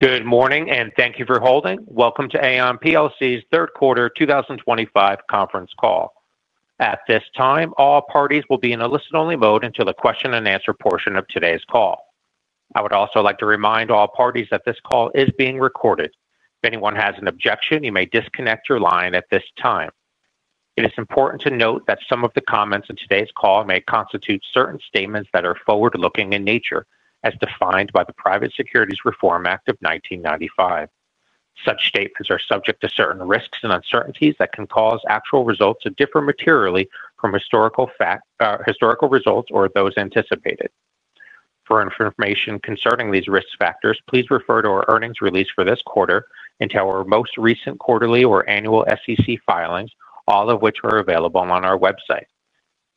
Good morning, and thank you for holding. Welcome to Aon PLC's third quarter 2025 conference call. At this time, all parties will be in a listen-only mode until the question-and-answer portion of today's call. I would also like to remind all parties that this call is being recorded. If anyone has an objection, you may disconnect your line at this time. It is important to note that some of the comments in today's call may constitute certain statements that are forward-looking in nature, as defined by the Private Securities Reform Act of 1995. Such statements are subject to certain risks and uncertainties that can cause actual results to differ materially from historical results or those anticipated. For information concerning these risk factors, please refer to our earnings release for this quarter and to our most recent quarterly or annual SEC filings, all of which are available on our website.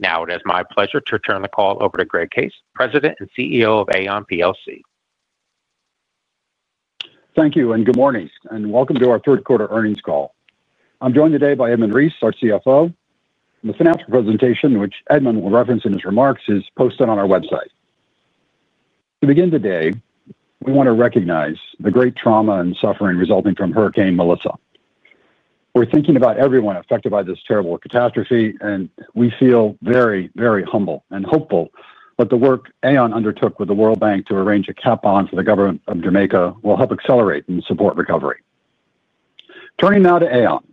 Now, it is my pleasure to turn the call over to Greg Case, President and CEO of Aon PLC. Thank you, and good morning, and welcome to our third quarter earnings call. I'm joined today by Edmund Reese, our CFO. The financial presentation, which Edmund will reference in his remarks, is posted on our website. To begin today, we want to recognize the great trauma and suffering resulting from Hurricane Melissa. We're thinking about everyone affected by this terrible catastrophe, and we feel very, very humble and hopeful that the work Aon undertook with the World Bank to arrange a cap on for the government of Jamaica will help accelerate and support recovery. Turning now to Aon,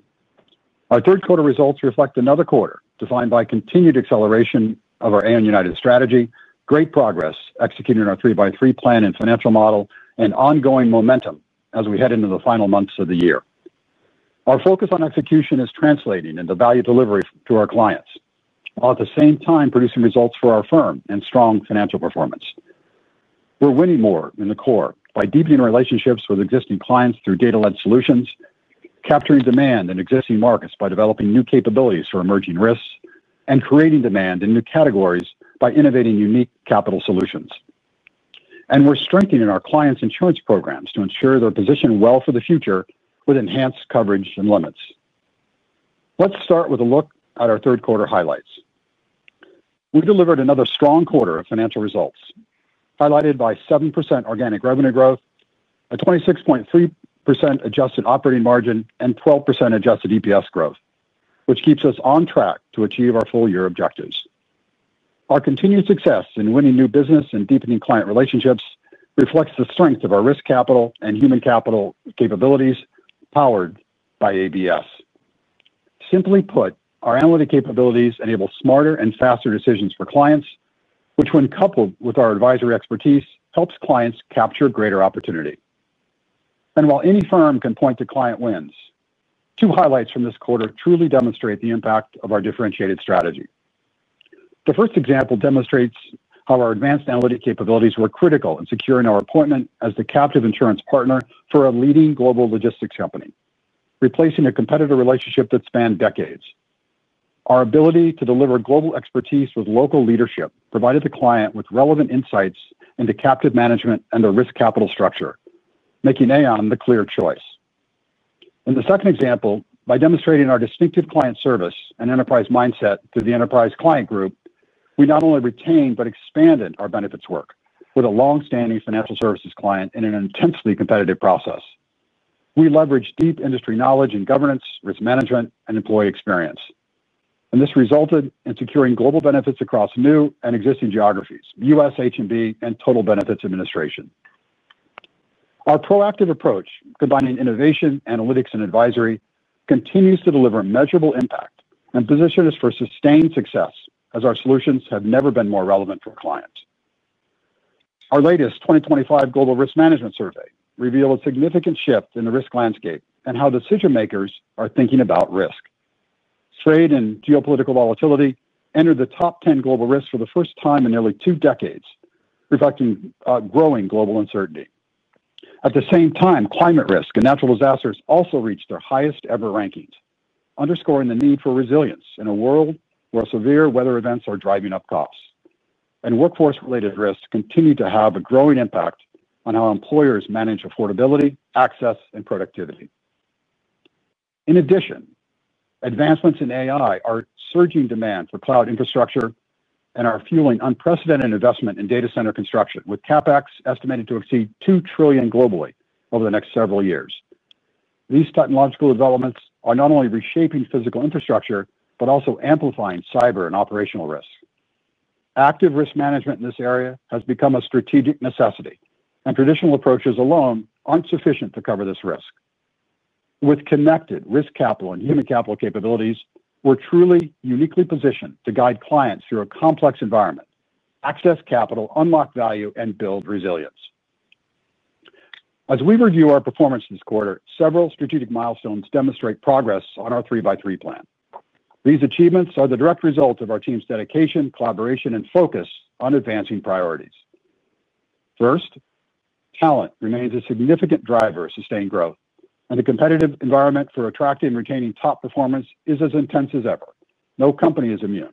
our third quarter results reflect another quarter defined by continued acceleration of our Aon United strategy, great progress executing our 3x3 plan and financial model, and ongoing momentum as we head into the final months of the year. Our focus on execution is translating into value delivery to our clients, while at the same time producing results for our firm and strong financial performance. We're winning more in the core by deepening relationships with existing clients through data-led solutions, capturing demand in existing markets by developing new capabilities for emerging risks, and creating demand in new categories by innovating unique capital solutions. We're strengthening our clients' insurance programs to ensure they're positioned well for the future with enhanced coverage and limits. Let's start with a look at our third quarter highlights. We delivered another strong quarter of financial results, highlighted by 7% organic revenue growth, a 26.3% adjusted operating margin, and 12% adjusted EPS growth, which keeps us on track to achieve our full-year objectives. Our continued success in winning new business and deepening client relationships reflects the strength of our risk capital and human capital capabilities powered by ABS. Simply put, our analytic capabilities enable smarter and faster decisions for clients, which, when coupled with our advisory expertise, helps clients capture greater opportunity. While any firm can point to client wins, two highlights from this quarter truly demonstrate the impact of our differentiated strategy. The first example demonstrates how our advanced analytic capabilities were critical in securing our appointment as the captive insurance partner for a leading global logistics company, replacing a competitive relationship that spanned decades. Our ability to deliver global expertise with local leadership provided the client with relevant insights into captive management and the risk capital structure, making Aon the clear choice. In the second example, by demonstrating our distinctive client service and enterprise mindset to the enterprise client group, we not only retained but expanded our benefits work with a longstanding financial services client in an intensely competitive process. We leveraged deep industry knowledge in governance, risk management, and employee experience, and this resulted in securing global benefits across new and existing geographies: U.S., HMB, and Total Benefits Administration. Our proactive approach, combining innovation, analytics, and advisory, continues to deliver measurable impact and position us for sustained success, as our solutions have never been more relevant for clients. Our latest 2025 Global Risk Management Survey revealed a significant shift in the risk landscape and how decision-makers are thinking about risk. Trade and geopolitical volatility entered the top 10 global risks for the first time in nearly two decades, reflecting growing global uncertainty. At the same time, climate risk and natural disasters also reached their highest-ever rankings, underscoring the need for resilience in a world where severe weather events are driving up costs, and workforce-related risks continue to have a growing impact on how employers manage affordability, access, and productivity. In addition, advancements in AI are surging demand for cloud infrastructure and are fueling unprecedented investment in data center construction, with CapEx estimated to exceed $2 trillion globally over the next several years. These technological developments are not only reshaping physical infrastructure but also amplifying cyber and operational risk. Active risk management in this area has become a strategic necessity, and traditional approaches alone aren't sufficient to cover this risk. With connected risk capital and human capital capabilities, we're truly uniquely positioned to guide clients through a complex environment, access capital, unlock value, and build resilience. As we review our performance this quarter, several strategic milestones demonstrate progress on our 3 by 3 plan. These achievements are the direct result of our team's dedication, collaboration, and focus on advancing priorities. First. Talent remains a significant driver of sustained growth, and the competitive environment for attracting and retaining top performance is as intense as ever. No company is immune,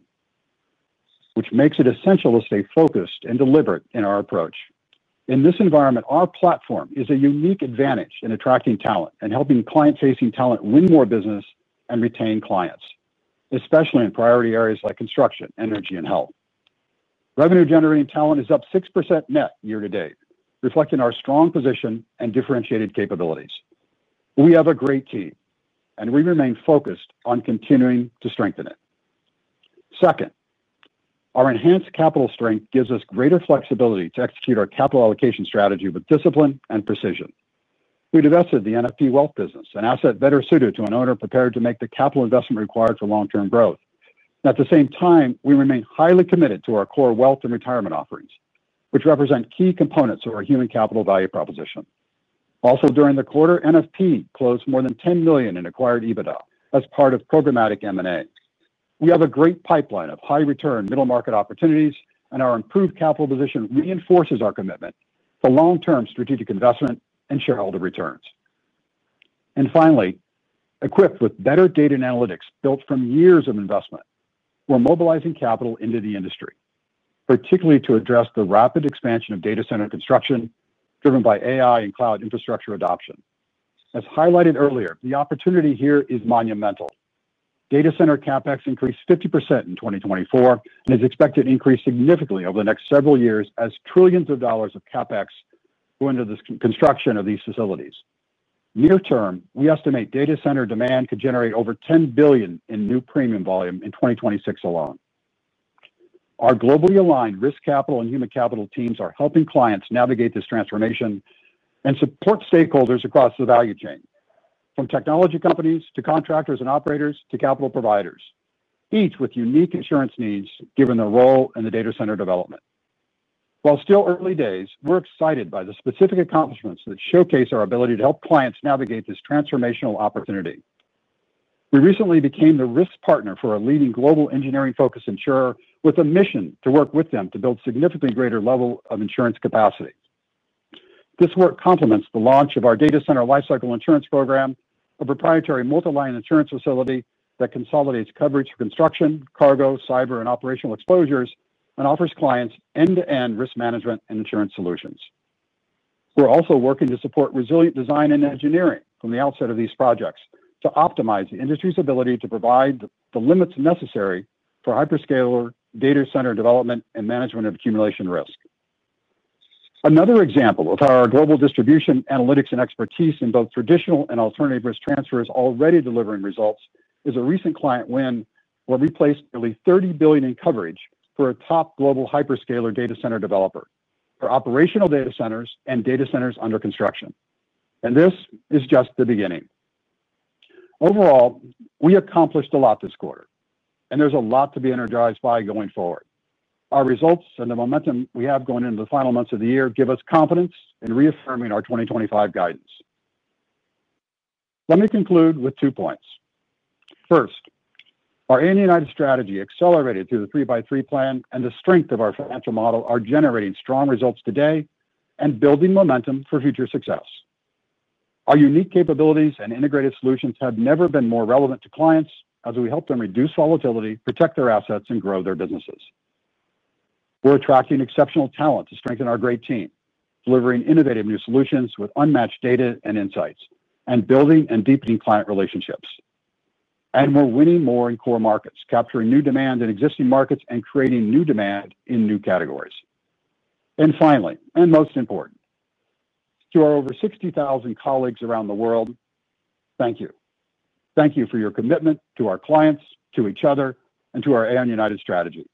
which makes it essential to stay focused and deliberate in our approach. In this environment, our platform is a unique advantage in attracting talent and helping client-facing talent win more business and retain clients, especially in priority areas like construction, energy, and health. Revenue-generating talent is up 6% net year to date, reflecting our strong position and differentiated capabilities. We have a great team, and we remain focused on continuing to strengthen it. Second, our enhanced capital strength gives us greater flexibility to execute our capital allocation strategy with discipline and precision. We've invested the NFP wealth business, an asset better suited to an owner prepared to make the capital investment required for long-term growth. At the same time, we remain highly committed to our core wealth and retirement offerings, which represent key components of our human capital value proposition. Also, during the quarter, NFP closed more than $10 million in acquired EBITDA as part of programmatic M&A. We have a great pipeline of high-return middle-market opportunities, and our improved capital position reinforces our commitment to long-term strategic investment and shareholder returns. Finally, equipped with better data and analytics built from years of investment, we're mobilizing capital into the industry, particularly to address the rapid expansion of data center construction driven by AI and cloud infrastructure adoption. As highlighted earlier, the opportunity here is monumental. Data center CapEx increased 50% in 2024 and is expected to increase significantly over the next several years as trillions of dollars of CapEx go into the construction of these facilities. Near term, we estimate data center demand could generate over $10 billion in new premium volume in 2026 alone. Our globally aligned risk capital and human capital teams are helping clients navigate this transformation and support stakeholders across the value chain, from technology companies to contractors and operators to capital providers, each with unique insurance needs given their role in the data center development. While still early days, we're excited by the specific accomplishments that showcase our ability to help clients navigate this transformational opportunity. We recently became the risk partner for a leading global engineering-focused insurer with a mission to work with them to build a significantly greater level of insurance capacity. This work complements the launch of our data center lifecycle insurance program, a proprietary multi-line insurance facility that consolidates coverage for construction, cargo, cyber, and operational exposures, and offers clients end-to-end risk management and insurance solutions. We're also working to support resilient design and engineering from the outset of these projects to optimize the industry's ability to provide the limits necessary for hyperscaler data center development and management of accumulation risk. Another example of how our global distribution analytics and expertise in both traditional and alternative risk transfer is already delivering results is a recent client win where we placed nearly $30 billion in coverage for a top global hyperscaler data center developer for operational data centers and data centers under construction. This is just the beginning. Overall, we accomplished a lot this quarter, and there's a lot to be energized by going forward. Our results and the momentum we have going into the final months of the year give us confidence in reaffirming our 2025 guidance. Let me conclude with two points. First, our Aon United strategy, accelerated through the 3 by 3 plan and the strength of our financial model, are generating strong results today and building momentum for future success. Our unique capabilities and integrated solutions have never been more relevant to clients as we help them reduce volatility, protect their assets, and grow their businesses. We're attracting exceptional talent to strengthen our great team, delivering innovative new solutions with unmatched data and insights, and building and deepening client relationships. We're winning more in core markets, capturing new demand in existing markets, and creating new demand in new categories. Finally, and most important, to our over 60,000 colleagues around the world, thank you. Thank you for your commitment to our clients, to each other, and to our Aon United strategy.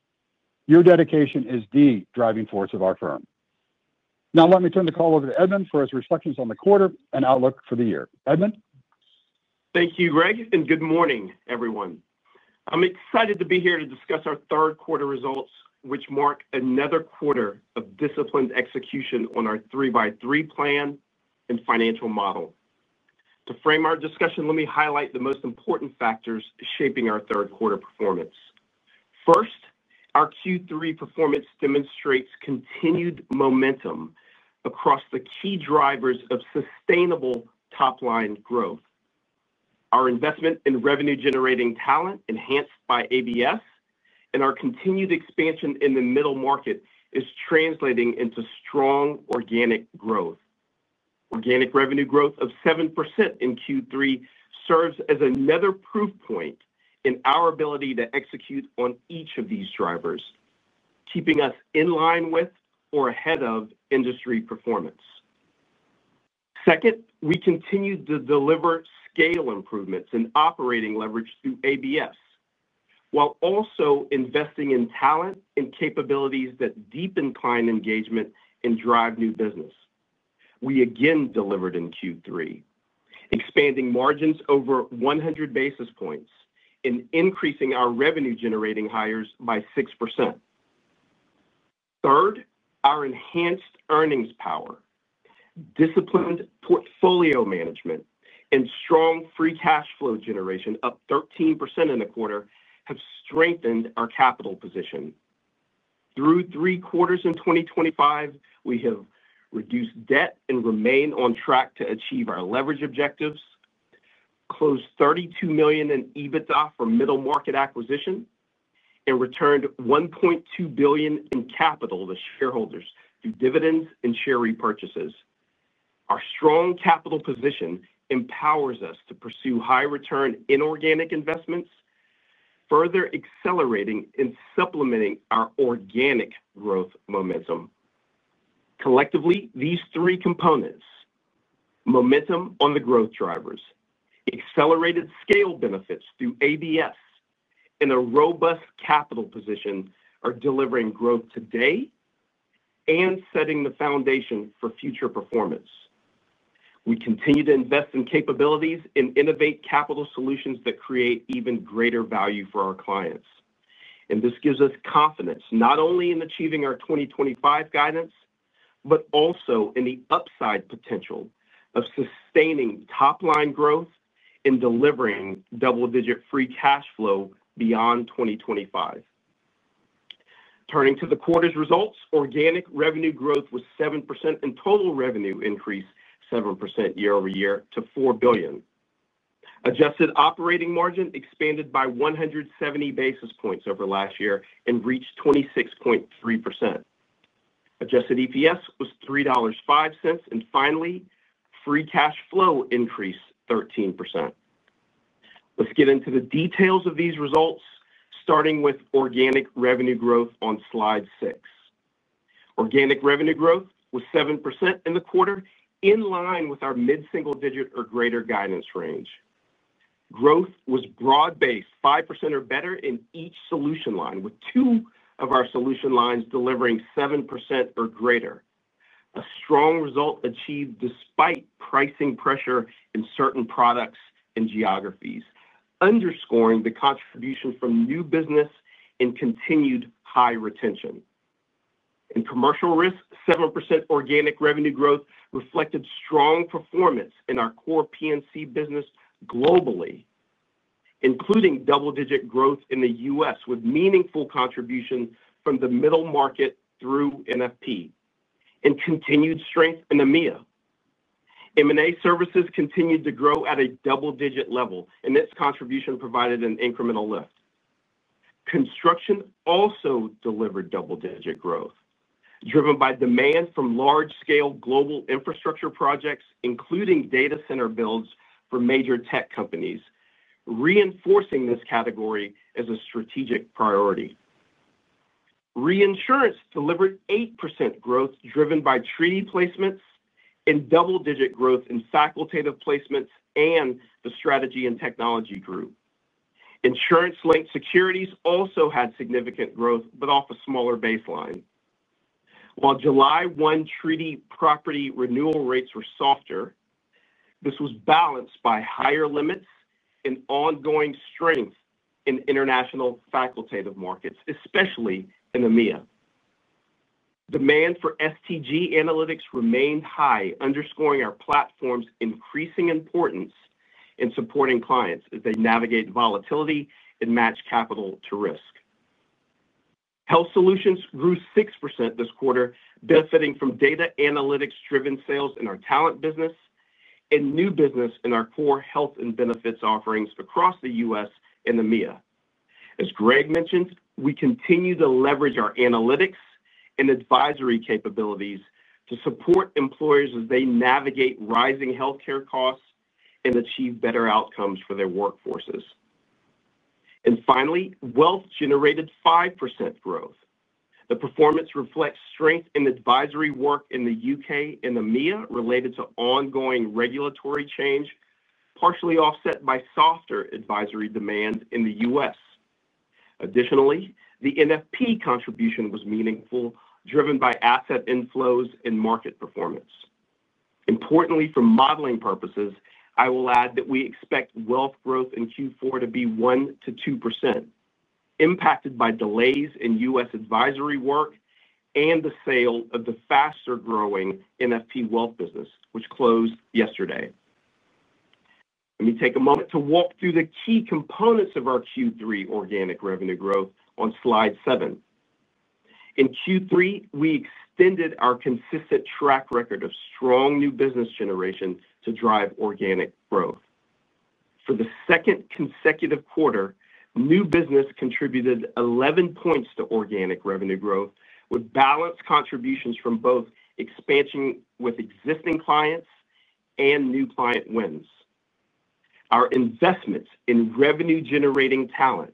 Your dedication is the driving force of our firm. Now, let me turn the call over to Edmund for his reflections on the quarter and outlook for the year. Edmund. Thank you, Greg, and good morning, everyone. I'm excited to be here to discuss our third quarter results, which mark another quarter of disciplined execution on our 3 by 3 plan and financial model. To frame our discussion, let me highlight the most important factors shaping our third quarter performance. First, our Q3 performance demonstrates continued momentum across the key drivers of sustainable top-line growth. Our investment in revenue-generating talent, enhanced by ABS, and our continued expansion in the middle market is translating into strong organic growth. Organic revenue growth of 7% in Q3 serves as another proof point in our ability to execute on each of these drivers, keeping us in line with or ahead of industry performance. Second, we continue to deliver scale improvements in operating leverage through ABS, while also investing in talent and capabilities that deepen client engagement and drive new business. We again delivered in Q3, expanding margins over 100 basis points and increasing our revenue-generating hires by 6%. Third, our enhanced earnings power, disciplined portfolio management, and strong free cash flow generation, up 13% in the quarter, have strengthened our capital position. Through three quarters in 2025, we have reduced debt and remained on track to achieve our leverage objectives. We closed $32 million in EBITDA for middle market acquisition and returned $1.2 billion in capital to shareholders through dividends and share repurchases. Our strong capital position empowers us to pursue high-return inorganic investments, further accelerating and supplementing our organic growth momentum. Collectively, these three components—momentum on the growth drivers, accelerated scale benefits through ABS, and a robust capital position—are delivering growth today and setting the foundation for future performance. We continue to invest in capabilities and innovate capital solutions that create even greater value for our clients. This gives us confidence not only in achieving our 2025 guidance but also in the upside potential of sustaining top-line growth and delivering double-digit free cash flow beyond 2025. Turning to the quarter's results, organic revenue growth was 7% and total revenue increased 7% year-over-year to $4 billion. Adjusted operating margin expanded by 170 basis points over last year and reached 26.3%. Adjusted EPS was $3.05, and finally, free cash flow increased 13%. Let's get into the details of these results, starting with organic revenue growth on slide six. Organic revenue growth was 7% in the quarter, in line with our mid-single-digit or greater guidance range. Growth was broad-based, 5% or better in each solution line, with two of our solution lines delivering 7% or greater. A strong result achieved despite pricing pressure in certain products and geographies, underscoring the contribution from new business and continued high retention. In commercial risk, 7% organic revenue growth reflected strong performance in our core P&C business globally, including double-digit growth in the U.S. with meaningful contribution from the middle market through NFP, and continued strength in EMEA. M&A services continued to grow at a double-digit level, and this contribution provided an incremental lift. Construction also delivered double-digit growth, driven by demand from large-scale global infrastructure projects, including data center builds for major tech companies, reinforcing this category as a strategic priority. Reinsurance delivered 8% growth, driven by treaty placements and double-digit growth in facultative placements and the strategy and technology group. Insurance-linked securities also had significant growth but off a smaller baseline. While July 1 treaty property renewal rates were softer, this was balanced by higher limits and ongoing strength in international facultative markets, especially in EMEA. Demand for STG analytics remained high, underscoring our platform's increasing importance in supporting clients as they navigate volatility and match capital to risk. Health solutions grew 6% this quarter, benefiting from data analytics-driven sales in our talent business and new business in our core health and benefits offerings across the U.S. and EMEA. As Greg mentioned, we continue to leverage our analytics and advisory capabilities to support employers as they navigate rising healthcare costs and achieve better outcomes for their workforces. Finally, wealth generated 5% growth. The performance reflects strength in advisory work in the U.K. and EMEA related to ongoing regulatory change, partially offset by softer advisory demand in the U.S. Additionally, the NFP contribution was meaningful, driven by asset inflows and market performance. Importantly, for modeling purposes, I will add that we expect wealth growth in Q4 to be 1%-2%. Impacted by delays in U.S. advisory work and the sale of the faster-growing NFP wealth business, which closed yesterday. Let me take a moment to walk through the key components of our Q3 organic revenue growth on slide seven. In Q3, we extended our consistent track record of strong new business generation to drive organic growth. For the second consecutive quarter, new business contributed 11 points to organic revenue growth with balanced contributions from both expansion with existing clients and new client wins. Our investments in revenue-generating talent,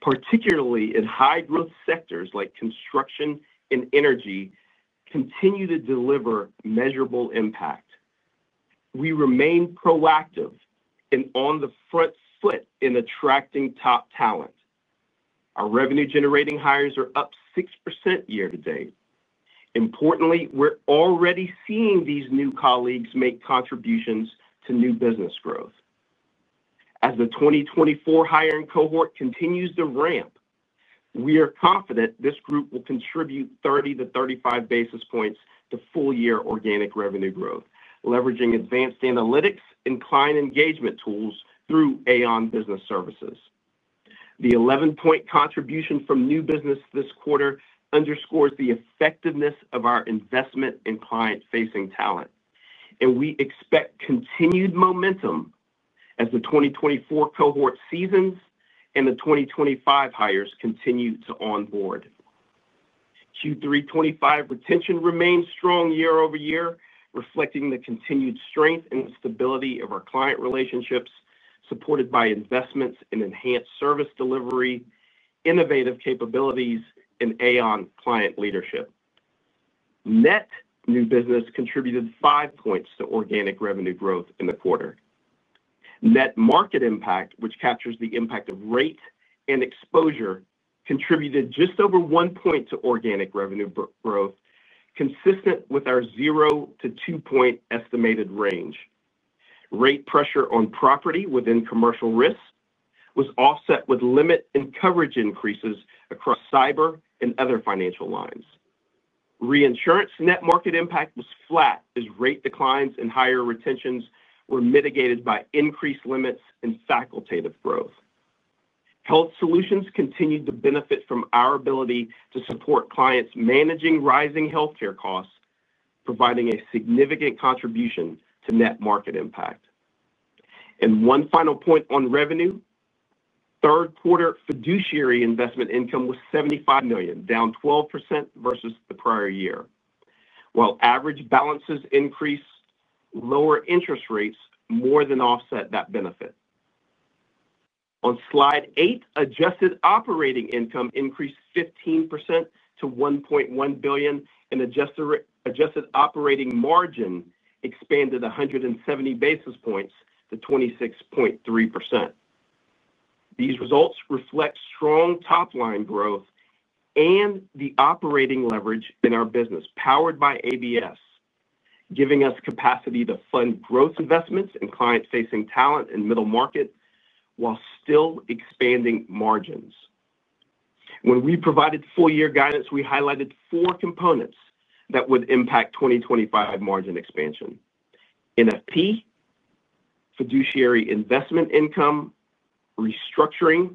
particularly in high-growth sectors like construction and energy, continue to deliver measurable impact. We remain proactive and on the front foot in attracting top talent. Our revenue-generating hires are up 6% year to date. Importantly, we're already seeing these new colleagues make contributions to new business growth as the 2024 hiring cohort continues to ramp. We are confident this group will contribute 30 basis points-35 basis points to full-year organic revenue growth, leveraging advanced analytics and client engagement tools through Aon Business Services. The 11-point contribution from new business this quarter underscores the effectiveness of our investment in client-facing talent. We expect continued momentum as the 2024 cohort seasons and the 2025 hires continue to onboard. Q3 2025 retention remains strong year over year, reflecting the continued strength and stability of our client relationships, supported by investments in enhanced service delivery, innovative capabilities, and Aon client leadership. Net new business contributed 5 points to organic revenue growth in the quarter. Net market impact, which captures the impact of rate and exposure, contributed just over 1 point to organic revenue growth, consistent with our 0-2 point estimated range. Rate pressure on property within commercial risk was offset with limit and coverage increases across cyber and other financial lines. Reinsurance net market impact was flat as rate declines and higher retentions were mitigated by increased limits and facultative growth. Health solutions continued to benefit from our ability to support clients managing rising healthcare costs, providing a significant contribution to net market impact. One final point on revenue. Third quarter fiduciary investment income was $75 million, down 12% versus the prior year. While average balances increased, lower interest rates more than offset that benefit. On slide eight, adjusted operating income increased 15% to $1.1 billion, and adjusted operating margin expanded 170 basis points to 26.3%. These results reflect strong top-line growth and the operating leverage in our business, powered by ABS, giving us capacity to fund growth investments in client-facing talent and middle market while still expanding margins. When we provided full-year guidance, we highlighted four components that would impact 2025 margin expansion: NFP, fiduciary investment income, restructuring,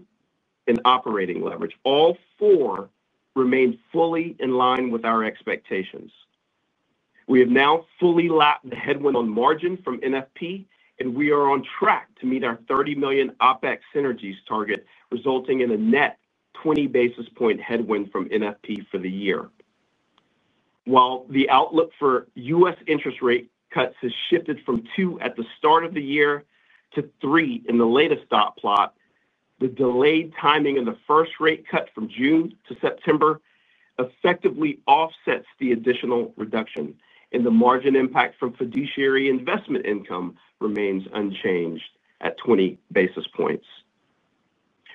and operating leverage. All four remained fully in line with our expectations. We have now fully lapped the headwind on margin from NFP, and we are on track to meet our $30 million OpEx synergies target, resulting in a net 20 basis point headwind from NFP for the year. While the outlook for U.S. interest rate cuts has shifted from two at the start of the year to three in the latest dot plot, the delayed timing of the first rate cut from June to September effectively offsets the additional reduction, and the margin impact from fiduciary investment income remains unchanged at 20 basis points.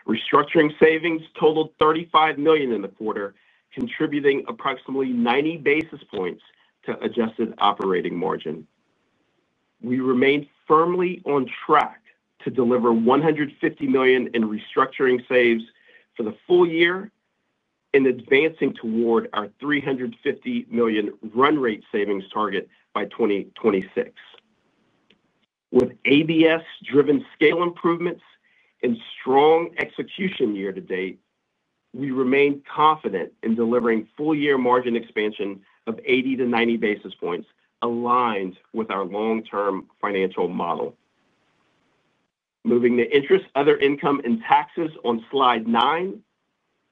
Restructuring savings totaled $35 million in the quarter, contributing approximately 90 basis points to adjusted operating margin. We remain firmly on track to deliver $150 million in restructuring saves for the full year and advancing toward our $350 million run rate savings target by 2026. With ABS-driven scale improvements and strong execution year to date, we remain confident in delivering full-year margin expansion of 80basis points-90 basis points, aligned with our long-term financial model. Moving to interest, other income, and taxes on slide nine,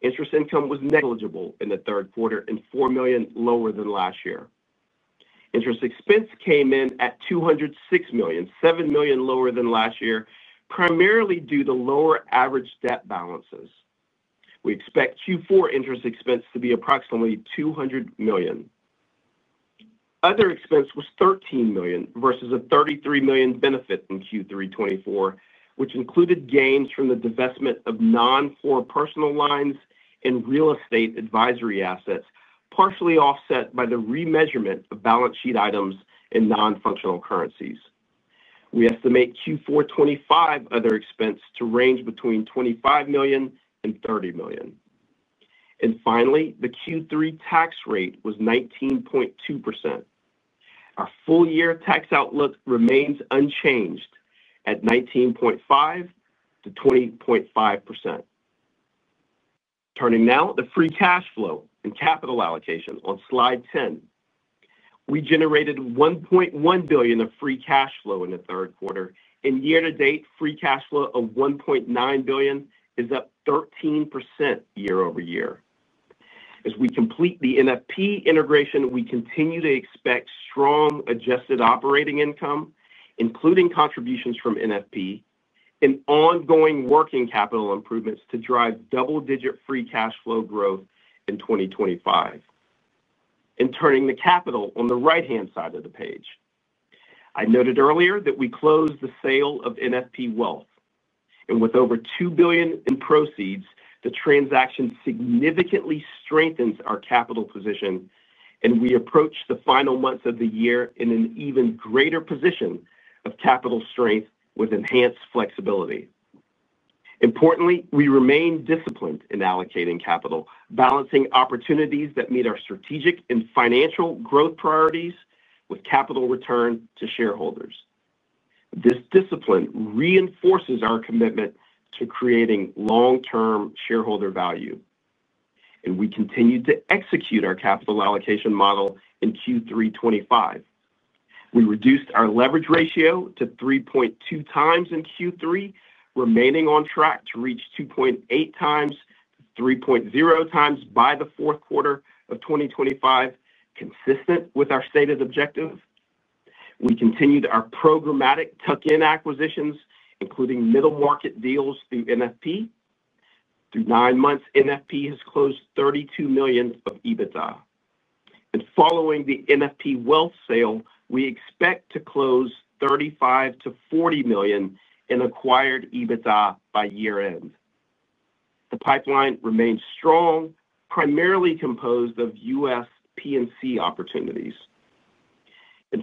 interest income was negligible in the third quarter and $4 million lower than last year. Interest expense came in at $206 million, $7 million lower than last year, primarily due to lower average debt balances. We expect Q4 interest expense to be approximately $200 million. Other expense was $13 million versus a $33 million benefit in Q3 2024, which included gains from the divestment of non-core personal lines and real estate advisory assets, partially offset by the remeasurement of balance sheet items and non-functional currencies. We estimate Q4 2025 other expense to range between $25 million and $30 million. Finally, the Q3 tax rate was 19.2%. Our full-year tax outlook remains unchanged at 19.5%-20.5%. Turning now to free cash flow and capital allocation on slide 10. We generated $1.1 billion of free cash flow in the third quarter. Year to date, free cash flow of $1.9 billion is up 13% year over year. As we complete the NFP integration, we continue to expect strong adjusted operating income, including contributions from NFP, and ongoing working capital improvements to drive double-digit free cash flow growth in 2025. Turning the capital on the right-hand side of the page, I noted earlier that we closed the sale of NFP wealth. With over $2 billion in proceeds, the transaction significantly strengthens our capital position. We approach the final months of the year in an even greater position of capital strength with enhanced flexibility. Importantly, we remain disciplined in allocating capital, balancing opportunities that meet our strategic and financial growth priorities with capital return to shareholders. This discipline reinforces our commitment to creating long-term shareholder value. We continue to execute our capital allocation model in Q3 2025. We reduced our leverage ratio to 3.2x in Q3, remaining on track to reach 2.8x, 3.0x by the fourth quarter of 2025, consistent with our stated objective. We continued our programmatic tuck-in acquisitions, including middle market deals through NFP. Through nine months, NFP has closed $32 million of EBITDA. Following the NFP wealth sale, we expect to close $35 million-$40 million in acquired EBITDA by year-end. The pipeline remains strong, primarily composed of U.S. P&C opportunities.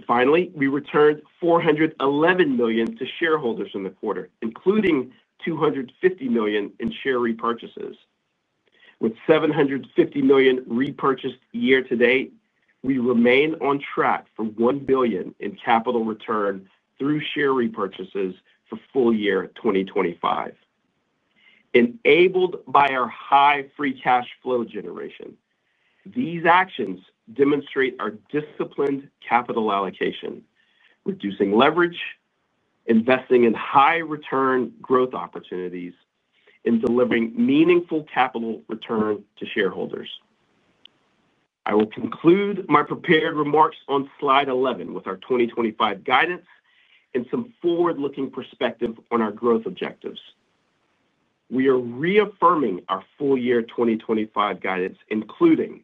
Finally, we returned $411 million to shareholders in the quarter, including $250 million in share repurchases. With $750 million repurchased year to date, we remain on track for $1 billion in capital return through share repurchases for full-year 2025. Enabled by our high free cash flow generation, these actions demonstrate our disciplined capital allocation, reducing leverage, investing in high-return growth opportunities, and delivering meaningful capital return to shareholders. I will conclude my prepared remarks on slide 11 with our 2025 guidance and some forward-looking perspective on our growth objectives. We are reaffirming our full-year 2025 guidance, including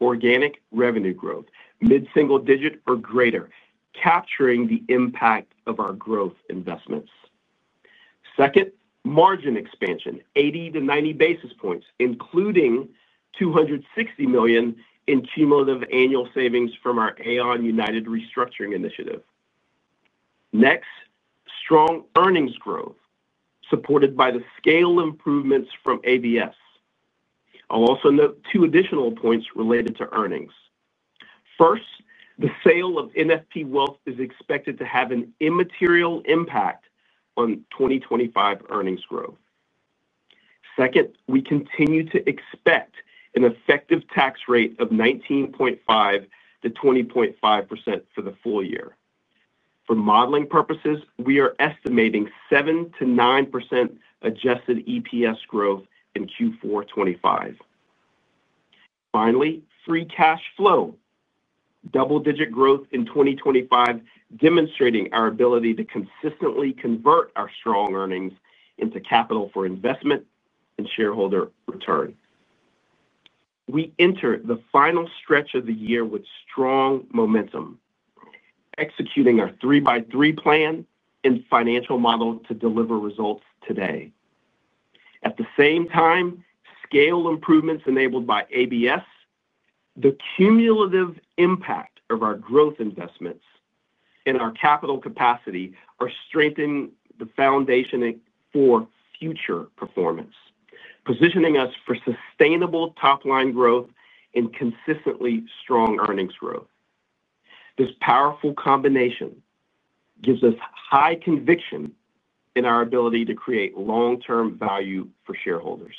organic revenue growth, mid-single digit or greater, capturing the impact of our growth investments. Second, margin expansion, 80 basis points-90 basis points, including $260 million in cumulative annual savings from our Aon United Restructuring Initiative. Next, strong earnings growth supported by the scale improvements from ABS. I'll also note two additional points related to earnings. First, the sale of NFP wealth is expected to have an immaterial impact on 2025 earnings growth. Second, we continue to expect an effective tax rate of 19.5%-20.5% for the full year. For modeling purposes, we are estimating 7%-9% adjusted EPS growth in Q4 2025. Finally, free cash flow. Double-digit growth in 2025, demonstrating our ability to consistently convert our strong earnings into capital for investment and shareholder return. We enter the final stretch of the year with strong momentum, executing our 3 by 3 plan and financial model to deliver results today. At the same time, scale improvements enabled by ABS. The cumulative impact of our growth investments and our capital capacity are strengthening the foundation for future performance, positioning us for sustainable top-line growth and consistently strong earnings growth. This powerful combination gives us high conviction in our ability to create long-term value for shareholders.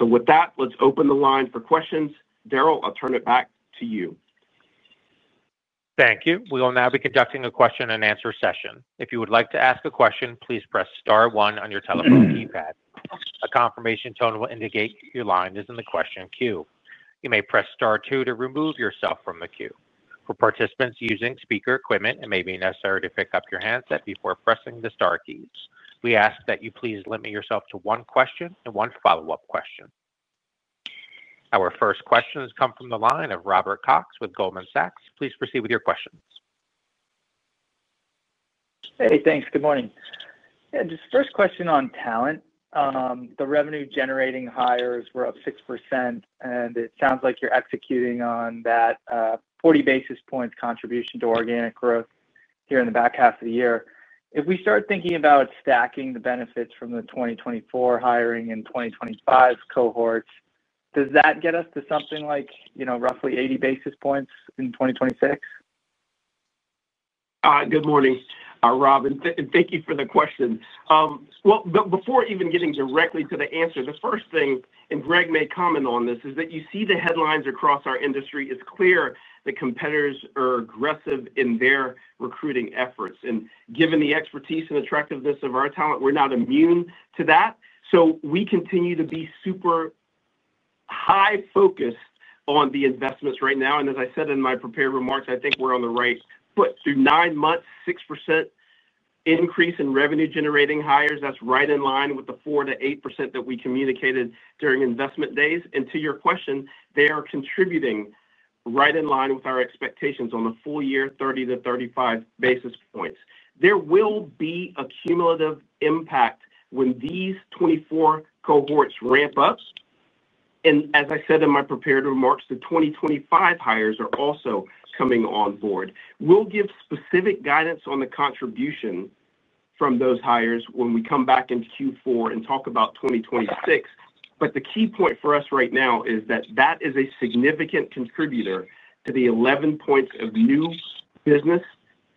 With that, let's open the line for questions. Daryl, I'll turn it back to you. Thank you. We will now be conducting a question-and-answer session. If you would like to ask a question, please press star one on your telephone keypad. A confirmation tone will indicate your line is in the question queue. You may press star two to remove yourself from the queue. For participants using speaker equipment, it may be necessary to pick up your handset before pressing the star keys. We ask that you please limit yourself to one question and one follow-up question. Our first question has come from the line of Robert Cox with Goldman Sachs. Please proceed with your questions. Hey, thanks. Good morning. This first question on talent. The revenue-generating hires were up 6%, and it sounds like you're executing on that. 40 basis point contribution to organic growth here in the back half of the year. If we start thinking about stacking the benefits from the 2024 hiring and 2025 cohorts, does that get us to something like roughly 80 basis points in 2026? Good morning, Rob, and thank you for the question. Before even getting directly to the answer, the first thing, and Greg may comment on this, is that you see the headlines across our industry. It's clear that competitors are aggressive in their recruiting efforts. Given the expertise and attractiveness of our talent, we're not immune to that. We continue to be super high-focused on the investments right now. As I said in my prepared remarks, I think we're on the right foot. Through nine months, 6% increase in revenue-generating hires. That's right in line with the 4%-8% that we communicated during investment days. To your question, they are contributing right in line with our expectations on the full-year 30 basis points-35 basis points. There will be a cumulative impact when these 2024 cohorts ramp up. As I said in my prepared remarks, the 2025 hires are also coming on board. We'll give specific guidance on the contribution from those hires when we come back into Q4 and talk about 2026. The key point for us right now is that that is a significant contributor to the 11 points of new business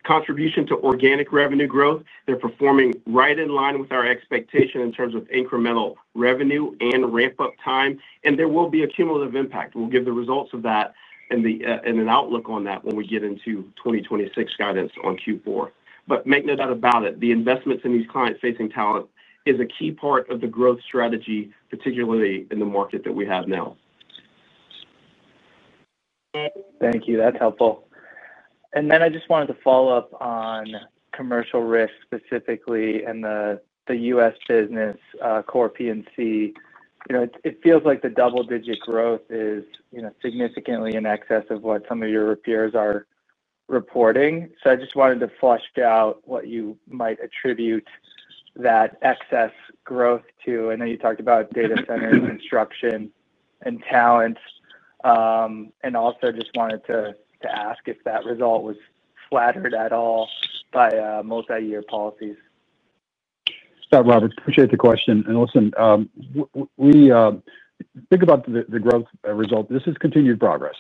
contribution to organic revenue growth. They're performing right in line with our expectation in terms of incremental revenue and ramp-up time. There will be a cumulative impact. We'll give the results of that and an outlook on that when we get into 2026 guidance on Q4. Make no doubt about it, the investments in these client-facing talent is a key part of the growth strategy, particularly in the market that we have now. Thank you. That's helpful. I just wanted to follow up on commercial risk specifically and the U.S. business. Core P&C. It feels like the double-digit growth is significantly in excess of what some of your peers are reporting. I just wanted to flush out what you might attribute that excess growth to. I know you talked about data centers, construction, and talent. I also just wanted to ask if that result was flattered at all by multi-year policies. Robert, appreciate the question. Listen. Think about the growth result. This is continued progress.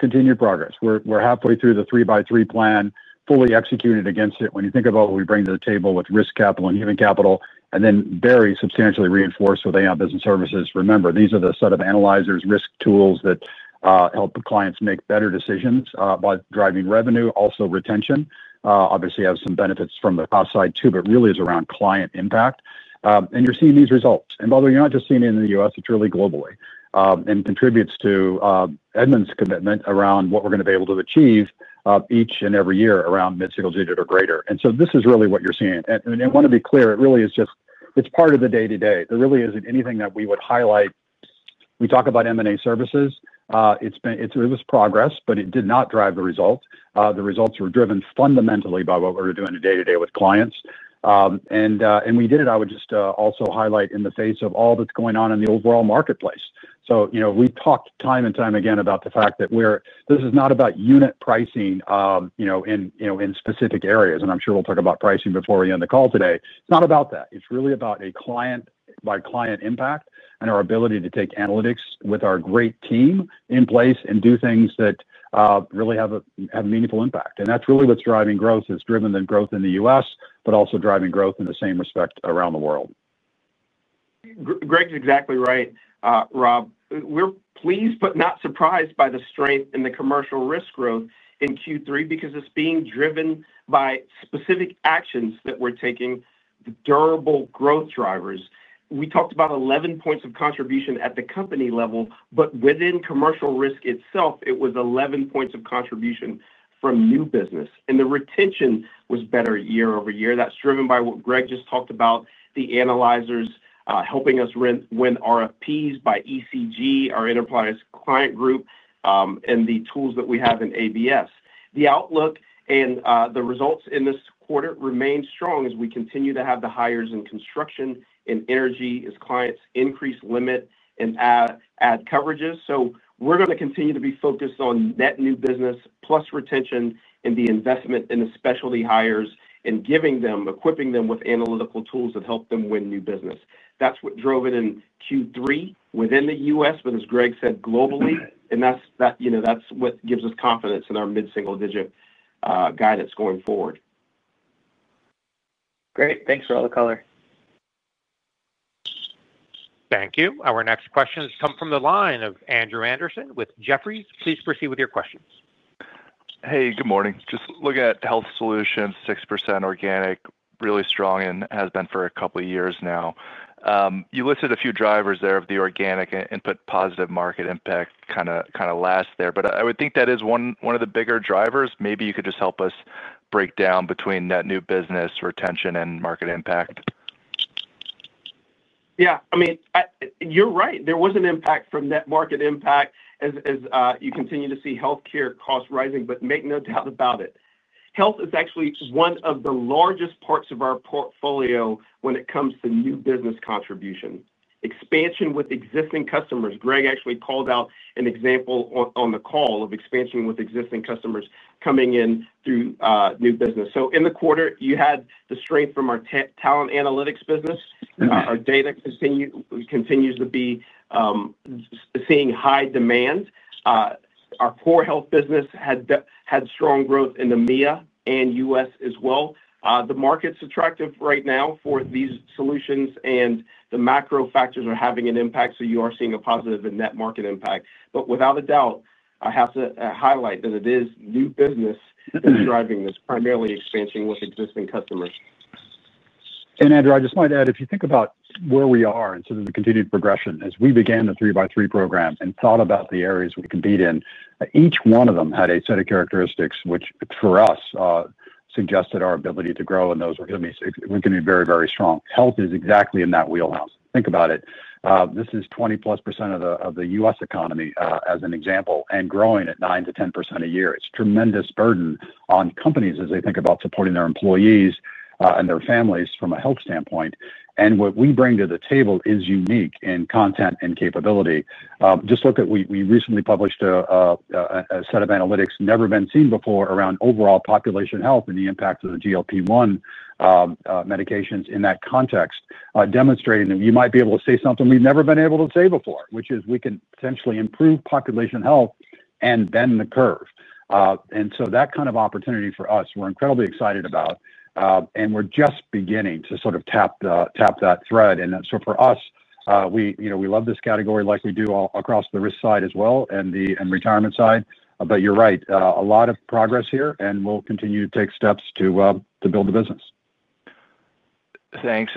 Continued progress. We're halfway through the 3 by 3 plan, fully executed against it. When you think about what we bring to the table with risk capital and human capital, and then very substantially reinforced with Aon Business Services, remember, these are the set of analyzers, risk tools that help clients make better decisions by driving revenue, also retention. Obviously, you have some benefits from the cost side too, but really it's around client impact. You're seeing these results. By the way, you're not just seeing it in the U.S. It's really globally and contributes to Edmund's commitment around what we're going to be able to achieve each and every year around mid-single digit or greater. This is really what you're seeing. I want to be clear, it really is just part of the day-to-day. There really isn't anything that we would highlight. We talk about M&A services. It was progress, but it did not drive the result. The results were driven fundamentally by what we were doing day-to-day with clients. We did it, I would just also highlight, in the face of all that's going on in the overall marketplace. We've talked time and time again about the fact that this is not about unit pricing in specific areas. I'm sure we'll talk about pricing before we end the call today. It's not about that. It's really about my client impact and our ability to take analytics with our great team in place and do things that really have a meaningful impact. That's really what's driving growth. It's driven the growth in the U.S., but also driving growth in the same respect around the world. Greg's exactly right, Rob. We're pleased but not surprised by the strength in the commercial risk growth in Q3 because it's being driven by specific actions that we're taking, durable growth drivers. We talked about 11 points of contribution at the company level, but within commercial risk itself, it was 11 points of contribution from new business. The retention was better year over year. That's driven by what Greg just talked about, the analyzers helping us win RFPs by ECG, our enterprise client group, and the tools that we have in ABS. The outlook and the results in this quarter remain strong as we continue to have the hires in construction and energy as clients increase limit and add coverages. We're going to continue to be focused on net new business plus retention and the investment in the specialty hires and giving them, equipping them with analytical tools that help them win new business. That's what drove it in Q3 within the U.S., but as Greg said, globally. That's what gives us confidence in our mid-single digit guidance going forward. Great. Thanks for all the color. Thank you. Our next question has come from the line of Andrew Andersen with Jefferies. Please proceed with your questions. Hey, good morning. Just look at health solutions, 6% organic, really strong and has been for a couple of years now. You listed a few drivers there of the organic input positive market impact kind of last there. I would think that is one of the bigger drivers. Maybe you could just help us break down between net new business, retention, and market impact. Yeah. I mean, you're right. There was an impact from net market impact as you continue to see healthcare costs rising, but make no doubt about it. Health is actually one of the largest parts of our portfolio when it comes to new business contribution. Expansion with existing customers. Greg actually called out an example on the call of expansion with existing customers coming in through new business. In the quarter, you had the strength from our talent analytics business. Our data continues to be seeing high demand. Our core health business had strong growth in the MEA and U.S. as well. The market's attractive right now for these solutions, and the macro factors are having an impact. You are seeing a positive net market impact. Without a doubt, I have to highlight that it is new business that's driving this, primarily expansion with existing customers. Andrew, I just want to add, if you think about where we are in terms of continued progression, as we began the 3 by 3 program and thought about the areas we could beat in, each one of them had a set of characteristics which for us suggested our ability to grow, and those were going to be very, very strong. Health is exactly in that wheelhouse. Think about it. This is 20+% of the U.S. economy, as an example, and growing at 9% to 10% a year. It's a tremendous burden on companies as they think about supporting their employees and their families from a health standpoint. What we bring to the table is unique in content and capability. Just look at we recently published a set of analytics never been seen before around overall population health and the impact of the GLP-1 medications in that context, demonstrating that you might be able to say something we've never been able to say before, which is we can potentially improve population health and bend the curve. That kind of opportunity for us, we're incredibly excited about. We're just beginning to sort of tap that thread. For us, we love this category like we do across the risk side as well and the retirement side. You're right, a lot of progress here, and we'll continue to take steps to build the business. Thanks.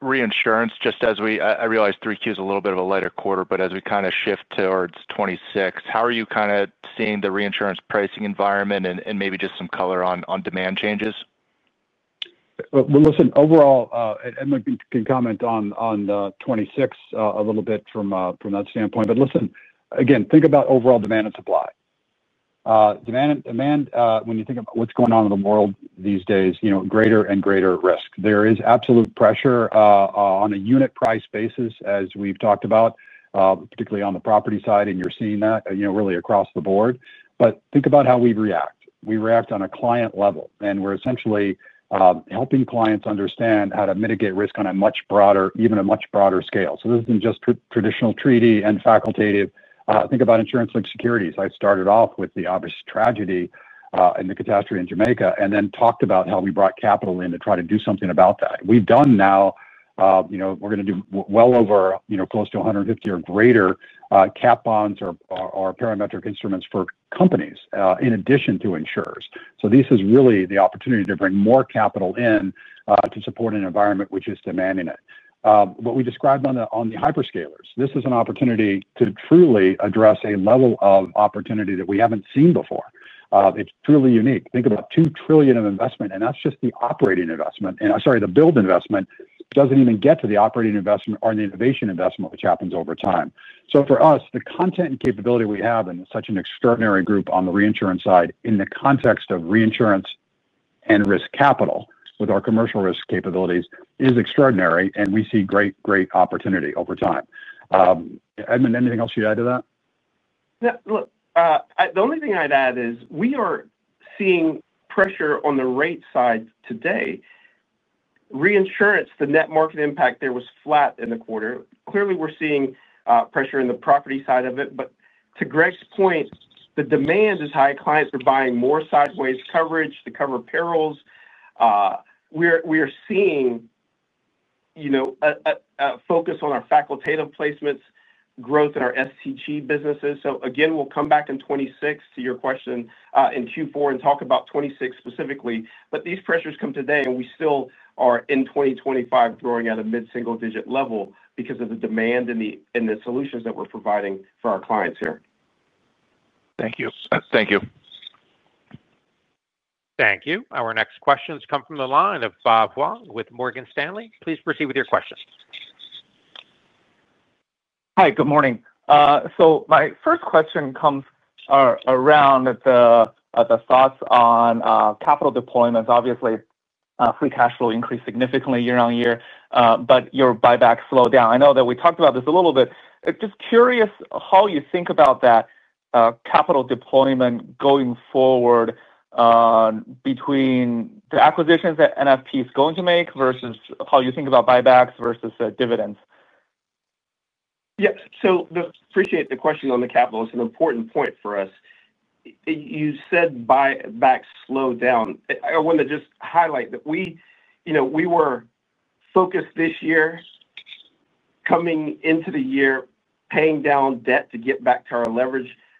Reinsurance, just as we, I realize 3Q is a little bit of a lighter quarter, but as we kind of shift towards 2026, how are you kind of seeing the reinsurance pricing environment and maybe just some color on demand changes? Listen, overall, Edmund can comment on. A little bit from that standpoint. Listen, again, think about overall demand and supply. Demand, when you think about what's going on in the world these days, greater and greater risk. There is absolute pressure on a unit price basis, as we've talked about, particularly on the property side, and you're seeing that really across the board. Think about how we react. We react on a client level, and we're essentially helping clients understand how to mitigate risk on a much broader, even a much broader scale. This isn't just traditional treaty and facultative. Think about insurance-linked securities. I started off with the obvious tragedy and the catastrophe in Jamaica and then talked about how we brought capital in to try to do something about that. We've done now. We're going to do well over close to 150 or greater cap bonds or parametric instruments for companies in addition to insurers. This is really the opportunity to bring more capital in to support an environment which is demanding it. What we described on the hyperscalers, this is an opportunity to truly address a level of opportunity that we haven't seen before. It's truly unique. Think about $2 trillion of investment, and that's just the operating investment. Sorry, the build investment doesn't even get to the operating investment or the innovation investment, which happens over time. For us, the content and capability we have and such an extraordinary group on the reinsurance side in the context of reinsurance and risk capital with our commercial risk capabilities is extraordinary, and we see great, great opportunity over time. Edmund, anything else you'd add to that? The only thing I'd add is we are seeing pressure on the rate side today. Reinsurance, the net market impact there was flat in the quarter. Clearly, we're seeing pressure in the property side of it. To Greg's point, the demand is high. Clients are buying more sideways coverage to cover perils. We are seeing a focus on our facultative placements, growth in our STG businesses. We'll come back in 2026 to your question in Q4 and talk about 2026 specifically. These pressures come today, and we still are in 2025 growing at a mid-single digit level because of the demand and the solutions that we're providing for our clients here. Thank you. Thank you. Thank you. Our next questions come from the line of Bob Huang with Morgan Stanley. Please proceed with your question. Hi, good morning. My first question comes around the thoughts on capital deployments. Obviously, free cash flow increased significantly year on year, but your buyback slowed down. I know that we talked about this a little bit. Just curious how you think about that. Capital deployment going forward between the acquisitions that NFP is going to make versus how you think about buybacks versus dividends. Yes. Appreciate the question on the capital. It's an important point for us. You said buybacks slowed down. I want to just highlight that we were focused this year, coming into the year, paying down debt to get back to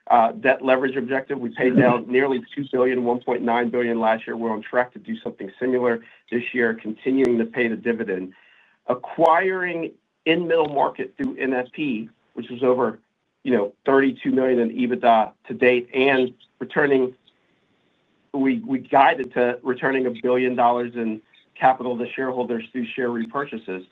our debt leverage objective. We paid down nearly $2 billion, $1.9 billion last year. We're on track to do something similar this year, continuing to pay the dividend. Acquiring in middle market through NFP, which was over $32 million in EBITDA to date, and returning. We guided to returning $1 billion in capital to shareholders through share repurchases.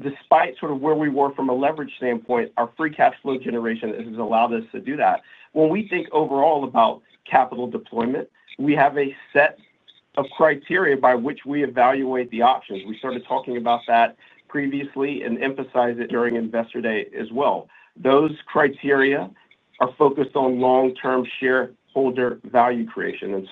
Despite sort of where we were from a leverage standpoint, our free cash flow generation has allowed us to do that. When we think overall about capital deployment, we have a set of criteria by which we evaluate the options. We started talking about that previously and emphasized it during investor day as well. Those criteria are focused on long-term shareholder value creation.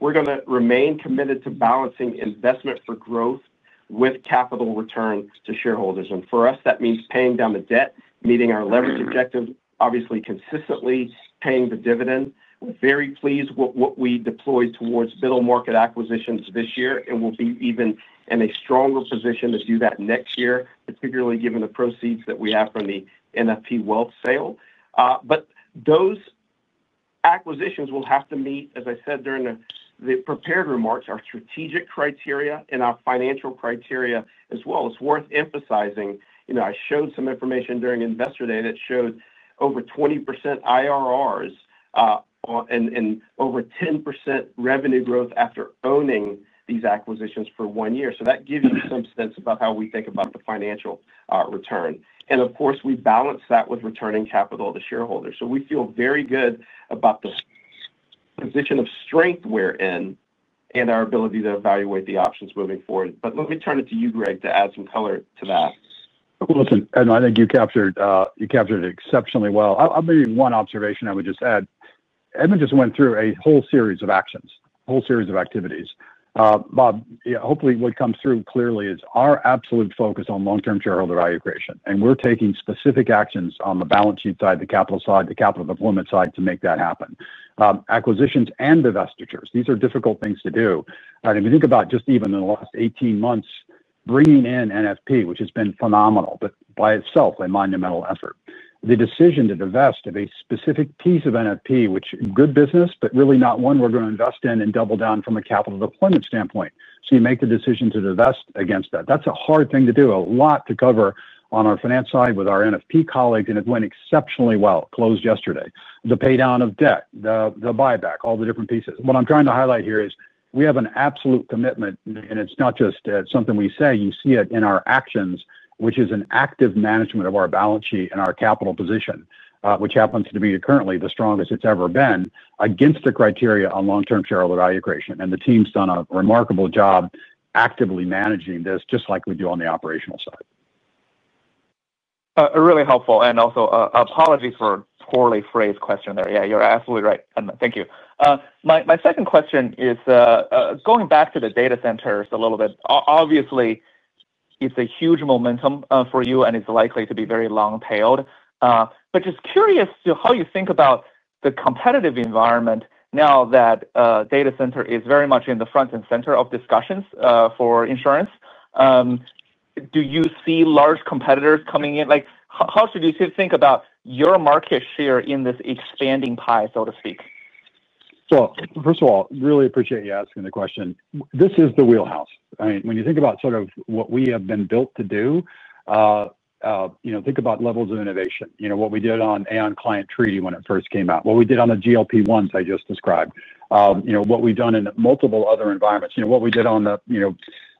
We're going to remain committed to balancing investment for growth with capital return to shareholders. For us, that means paying down the debt, meeting our leverage objective, obviously consistently paying the dividend. We're very pleased with what we deployed towards middle market acquisitions this year and will be even in a stronger position to do that next year, particularly given the proceeds that we have from the NFP wealth sale. Those acquisitions will have to meet, as I said during the prepared remarks, our strategic criteria and our financial criteria as well. It's worth emphasizing I showed some information during investor day that showed over 20% IRRs and over 10% revenue growth after owning these acquisitions for one year. That gives you some sense about how we think about the financial return. Of course, we balance that with returning capital to shareholders. We feel very good about the position of strength we're in and our ability to evaluate the options moving forward. Let me turn it to you, Greg, to add some color to that. Listen, Edmund, I think you captured. It exceptionally well. Maybe one observation I would just add. Edmund just went through a whole series of actions, a whole series of activities. Bob, hopefully what comes through clearly is our absolute focus on long-term shareholder value creation. We are taking specific actions on the balance sheet side, the capital side, the capital deployment side to make that happen. Acquisitions and divestitures, these are difficult things to do. If you think about just even in the last 18 months, bringing in NFP, which has been phenomenal, but by itself a monumental effort. The decision to divest of a specific piece of NFP, which is good business, but really not one we're going to invest in and double down from a capital deployment standpoint. You make the decision to divest against that. That's a hard thing to do. A lot to cover on our finance side with our NFP colleagues, and it went exceptionally well. Closed yesterday. The paydown of debt, the buyback, all the different pieces. What I'm trying to highlight here is we have an absolute commitment, and it's not just something we say. You see it in our actions, which is an active management of our balance sheet and our capital position, which happens to be currently the strongest it's ever been against the criteria on long-term shareholder value creation. The team's done a remarkable job actively managing this just like we do on the operational side. Really helpful and also apologies for a poorly phrased question there. Yeah, you're absolutely right. Thank you. My second question is, going back to the data centers a little bit. Obviously, it's a huge momentum for you, and it's likely to be very long-tailed. Just curious to how you think about the competitive environment now that data center is very much in the front and center of discussions for insurance. Do you see large competitors coming in? How should you think about your market share in this expanding pie, so to speak? First of all, really appreciate you asking the question. This is the wheelhouse. When you think about sort of what we have been built to do. Think about levels of innovation. What we did on Aon Client Treaty when it first came out. What we did on the GLP-1s I just described. What we've done in multiple other environments. What we did in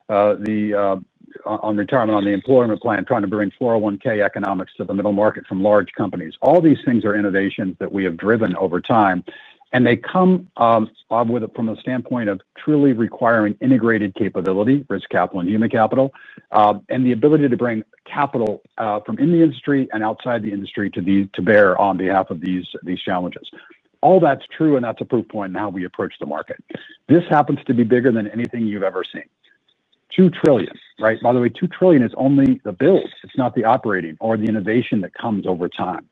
retirement on the employment plan, trying to bring 401(k) economics to the middle market from large companies. All these things are innovations that we have driven over time, and they come from the standpoint of truly requiring integrated capability, risk capital and human capital, and the ability to bring capital from in the industry and outside the industry to bear on behalf of these challenges. All that's true, and that's a proof point in how we approach the market. This happens to be bigger than anything you've ever seen. $2 trillion, right? By the way, $2 trillion is only the build. It's not the operating or the innovation that comes over time.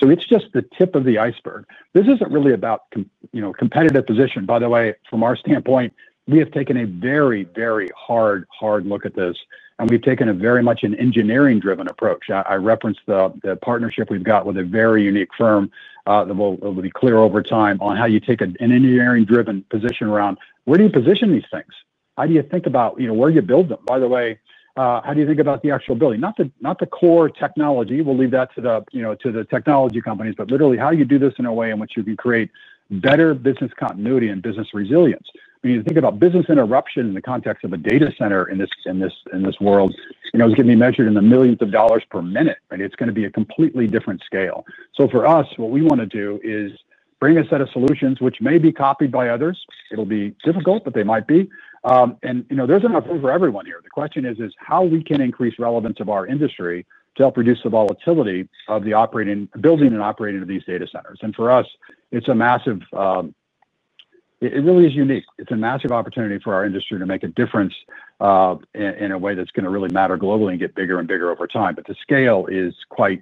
It's just the tip of the iceberg. This isn't really about competitive position. By the way, from our standpoint, we have taken a very, very hard, hard look at this, and we've taken a very much engineering-driven approach. I referenced the partnership we've got with a very unique firm that will be clear over time on how you take an engineering-driven position around where do you position these things. How do you think about where you build them? By the way, how do you think about the actual building? Not the core technology. We'll leave that to the technology companies, but literally, how do you do this in a way in which you can create better business continuity and business resilience? When you think about business interruption in the context of a data center in this world, it's going to be measured in the millions of dollars per minute. It's going to be a completely different scale. For us, what we want to do is bring a set of solutions which may be copied by others. It'll be difficult, but they might be. There's enough room for everyone here. The question is how we can increase relevance of our industry to help reduce the volatility of the operating building and operating of these data centers. For us, it's a massive. It really is unique. It's a massive opportunity for our industry to make a difference in a way that's going to really matter globally and get bigger and bigger over time. The scale is quite.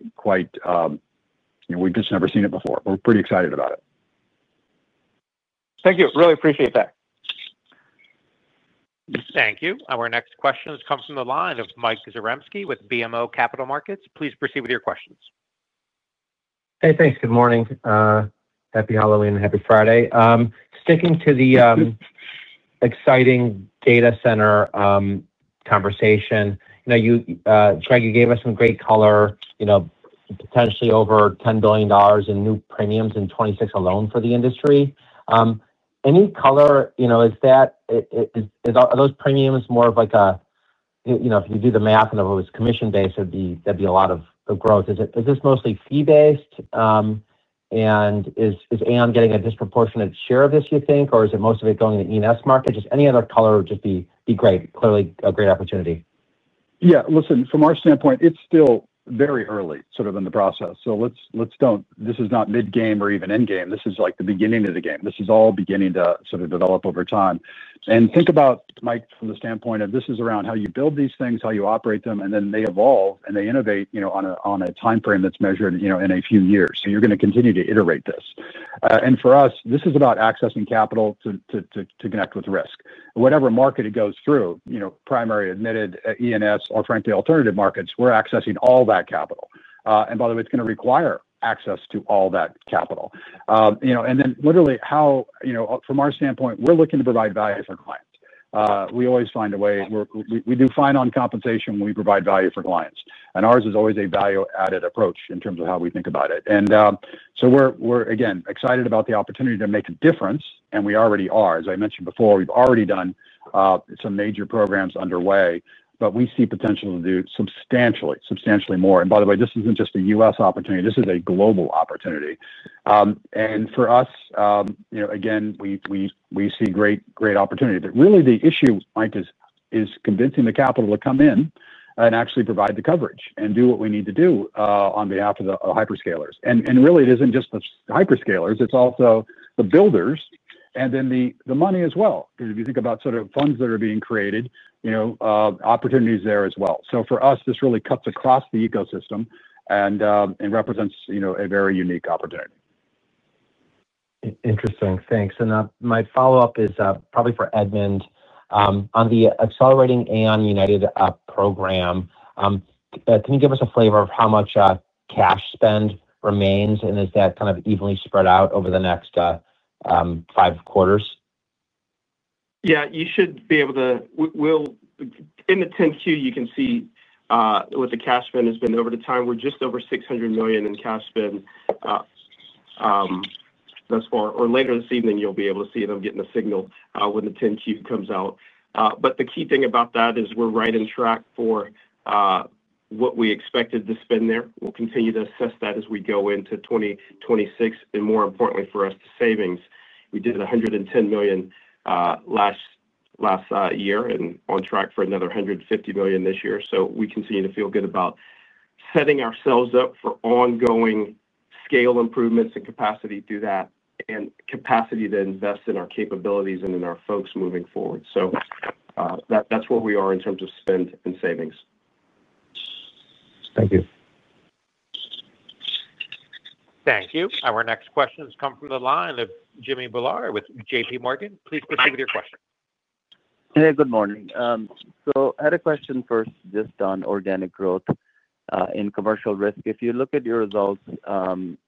We've just never seen it before. We're pretty excited about it. Thank you. Really appreciate that. Thank you. Our next question has come from the line of Michael Zaremski with BMO Capital Markets. Please proceed with your questions. Hey, thanks. Good morning. Happy Halloween and happy Friday. Sticking to the exciting data center conversation. Greg, you gave us some great color. Potentially over $10 billion in new premiums in 2026 alone for the industry. Any color. Are those premiums more of like a. If you do the math and if it was commission-based, there'd be a lot of growth. Is this mostly fee-based? And is Aon getting a disproportionate share of this, you think, or is it most of it going to the E&S market? Just any other color would just be great. Clearly, a great opportunity. Yeah. Listen, from our standpoint, it's still very early in the process. This is not mid-game or even end-game. This is like the beginning of the game. This is all beginning to develop over time. Think about, Mike, from the standpoint of this is around how you build these things, how you operate them, and then they evolve and they innovate on a timeframe that's measured in a few years. You're going to continue to iterate this. For us, this is about accessing capital to connect with risk. Whatever market it goes through primary admitted E&S, or frankly, alternative markets, we're accessing all that capital. By the way, it's going to require access to all that capital. Literally, from our standpoint, we're looking to provide value for clients. We always find a way. We do fine on compensation when we provide value for clients. Ours is always a value-added approach in terms of how we think about it. We're, again, excited about the opportunity to make a difference, and we already are. As I mentioned before, we've already done some major programs underway, but we see potential to do substantially, substantially more. By the way, this isn't just a U.S. opportunity. This is a global opportunity. For us, again, we see great opportunity. Really, the issue, Mike, is convincing the capital to come in and actually provide the coverage and do what we need to do on behalf of the hyperscalers. Really, it isn't just the hyperscalers. It's also the builders and then the money as well. If you think about funds that are being created, opportunities there as well. For us, this really cuts across the ecosystem and represents a very unique opportunity. Interesting. Thanks. My follow-up is probably for Edmund. On the Accelerating Aon United program, can you give us a flavor of how much cash spend remains, and is that kind of evenly spread out over the next five quarters? Yeah. You should be able to. In the 10-Q, you can see what the cash spend has been over the time. We're just over $600 million in cash spend thus far. Or later this evening, you'll be able to see them getting a signal when the 10-Q comes out. The key thing about that is we're right on track for what we expected to spend there. We'll continue to assess that as we go into 2026. More importantly for us, the savings. We did $110 million last year and are on track for another $150 million this year. We continue to feel good about setting ourselves up for ongoing scale improvements and capacity through that, and capacity to invest in our capabilities and in our folks moving forward. That's where we are in terms of spend and savings. Thank you. Thank you. Our next question has come from the line of Jimmy Bhullar with JPMorgan. Please proceed with your question. Hey, good morning. I had a question first just on organic growth in commercial risk. If you look at your results,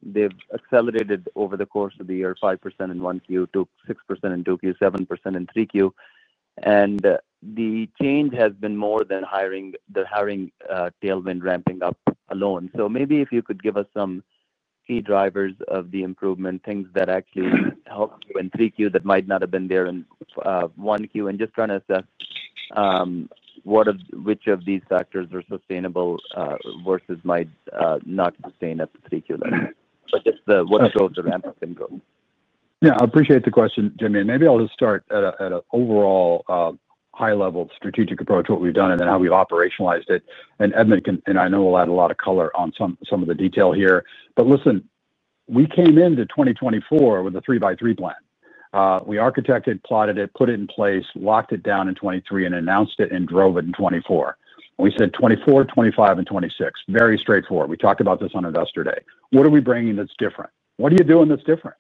they've accelerated over the course of the year, 5% in 1Q to 6% in 2Q, 7% in 3Q. The change has been more than hiring tailwind ramping up alone. Maybe if you could give us some key drivers of the improvement, things that actually helped in 3Q that might not have been there in 1Q, and just trying to assess which of these factors are sustainable versus might not sustain at the 3Q level. Just what's growth or ramp-up in growth. Yeah. I appreciate the question, Jimmy. Maybe I'll just start at an overall high-level strategic approach, what we've done, and then how we've operationalized it. Edmund and I know we'll add a lot of color on some of the detail here. Listen, we came into 2024 with a 3 by 3 plan. We architected, plotted it, put it in place, locked it down in 2023, and announced it and drove it in 2024. We said 2024, 2025, and 2026. Very straightforward. We talked about this on investor day. What are we bringing that's different? What are you doing that's different?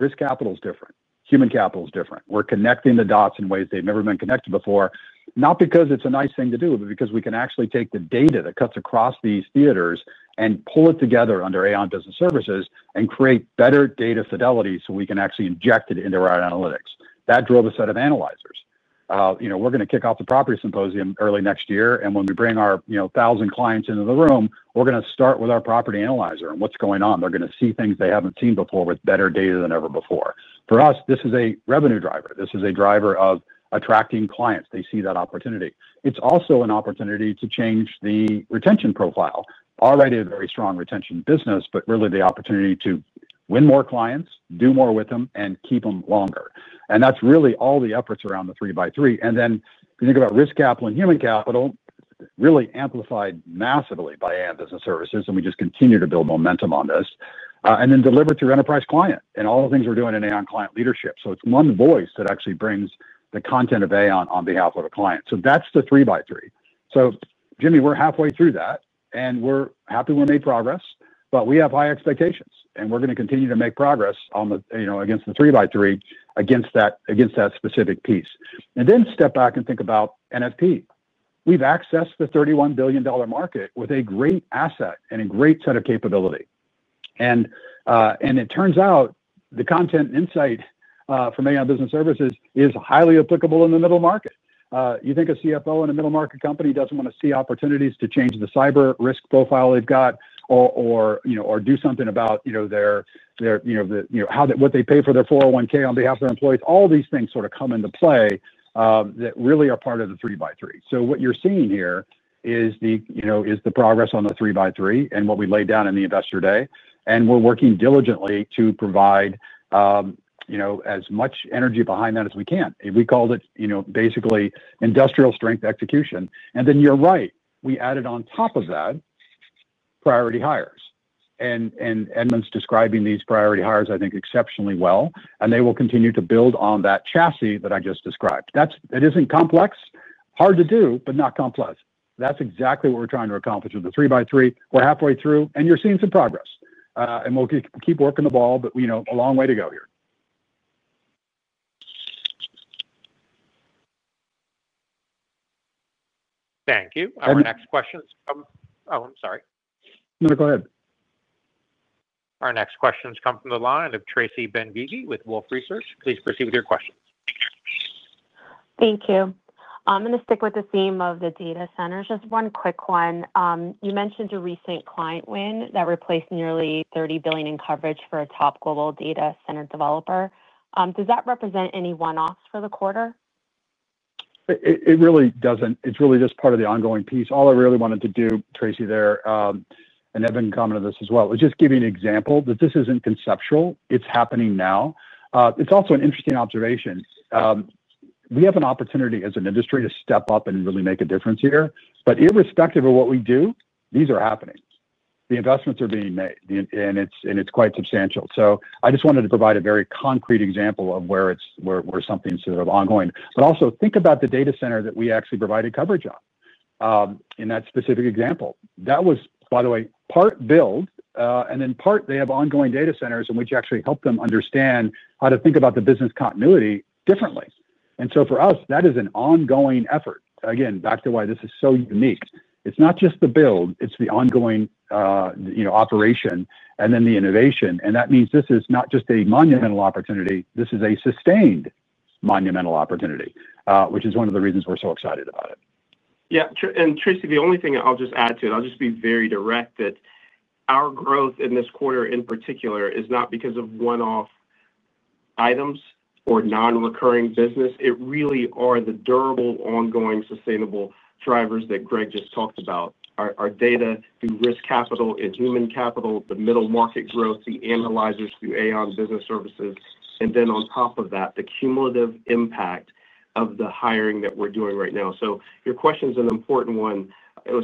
Risk capital is different. Human capital is different. We're connecting the dots in ways they've never been connected before, not because it's a nice thing to do, but because we can actually take the data that cuts across these theaters and pull it together under Aon Business Services and create better data fidelity so we can actually inject it into our analytics. That drove a set of analyzers. We're going to kick off the property symposium early next year. When we bring our 1,000 clients into the room, we're going to start with our property analyzer and what's going on. They're going to see things they haven't seen before with better data than ever before. For us, this is a revenue driver. This is a driver of attracting clients. They see that opportunity. It's also an opportunity to change the retention profile. Already a very strong retention business, really the opportunity to win more clients, do more with them, and keep them longer. That's really all the efforts around the 3 by 3. If you think about risk capital and human capital, really amplified massively by Aon Business Services. We just continue to build momentum on this and then deliver to your enterprise client and all the things we're doing in Aon Client Leadership. It's one voice that actually brings the content of Aon on behalf of a client. That's the 3 by 3. Jimmy, we're halfway through that, and we're happy we made progress, but we have high expectations, and we're going to continue to make progress against the 3 by 3, against that specific piece. Step back and think about NFP. We've accessed the $31 billion market with a great asset and a great set of capability. It turns out the content and insight from Aon Business Services is highly applicable in the middle market. You think a CFO in a middle-market company doesn't want to see opportunities to change the cyber risk profile they've got or do something about what they pay for their 401(k) on behalf of their employees. All these things sort of come into play that really are part of the 3 by 3. What you're seeing here is the progress on the 3x3 and what we laid down in the investor day. We're working diligently to provide as much energy behind that as we can. We called it basically industrial strength execution. You're right. We added on top of that priority hires. Edmund's describing these priority hires, I think, exceptionally well. They will continue to build on that chassis that I just described. It isn't complex. Hard to do, but not complex. That's exactly what we're trying to accomplish with the 3 by 3. We're halfway through, and you're seeing some progress. We'll keep working the ball, but a long way to go here. Thank you. Our next questions come—oh, I'm sorry. No, go ahead. Our next questions come from the line of Tracy Benguigui with Wolfe Research. Please proceed with your questions. Thank you. I'm going to stick with the theme of the data centers. Just one quick one. You mentioned a recent client win that replaced nearly $30 billion in coverage for a top global data center developer. Does that represent any one-offs for the quarter? It really doesn't. It's really just part of the ongoing piece. All I really wanted to do, Tracy, there, and Edmund can comment on this as well, is just give you an example that this isn't conceptual. It's happening now. It's also an interesting observation. We have an opportunity as an industry to step up and really make a difference here. Irrespective of what we do, these are happening. The investments are being made, and it's quite substantial. I just wanted to provide a very concrete example of where something's sort of ongoing. Also, think about the data center that we actually provided coverage on. In that specific example, that was, by the way, part build, and then part they have ongoing data centers in which actually helped them understand how to think about the business continuity differently. For us, that is an ongoing effort. Again, back to why this is so unique. It's not just the build. It's the ongoing operation and then the innovation. That means this is not just a monumental opportunity. This is a sustained monumental opportunity, which is one of the reasons we're so excited about it. Yeah. Tracy, the only thing I'll just add to it, I'll just be very direct, that our growth in this quarter in particular is not because of one-off items or non-recurring business. It really are the durable, ongoing, sustainable drivers that Greg just talked about: our data through risk capital and human capital, the middle market growth, the analyzers through Aon Business Services, and then on top of that, the cumulative impact of the hiring that we're doing right now. Your question is an important one.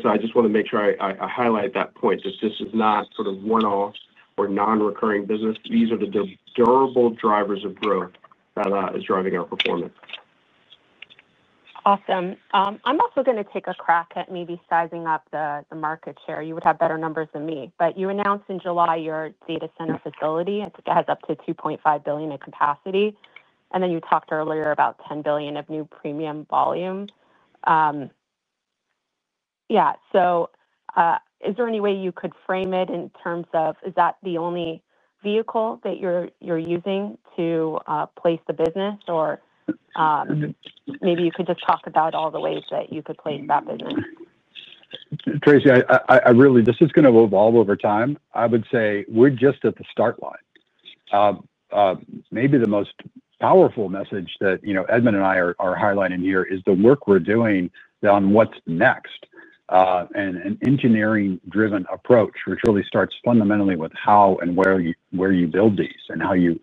I just want to make sure I highlight that point, that this is not sort of one-off or non-recurring business. These are the durable drivers of growth that is driving our performance. Awesome. I'm also going to take a crack at maybe sizing up the market share. You would have better numbers than me. You announced in July your data center facility. It has up to $2.5 billion in capacity. You talked earlier about $10 billion of new premium volume. Yeah. Is there any way you could frame it in terms of is that the only vehicle that you're using to place the business? Maybe you could just talk about all the ways that you could place that business? Tracy, this is going to evolve over time. I would say we're just at the start line. Maybe the most powerful message that Edmund and I are highlighting here is the work we're doing on what's next. An engineering-driven approach, which really starts fundamentally with how and where you build these and how you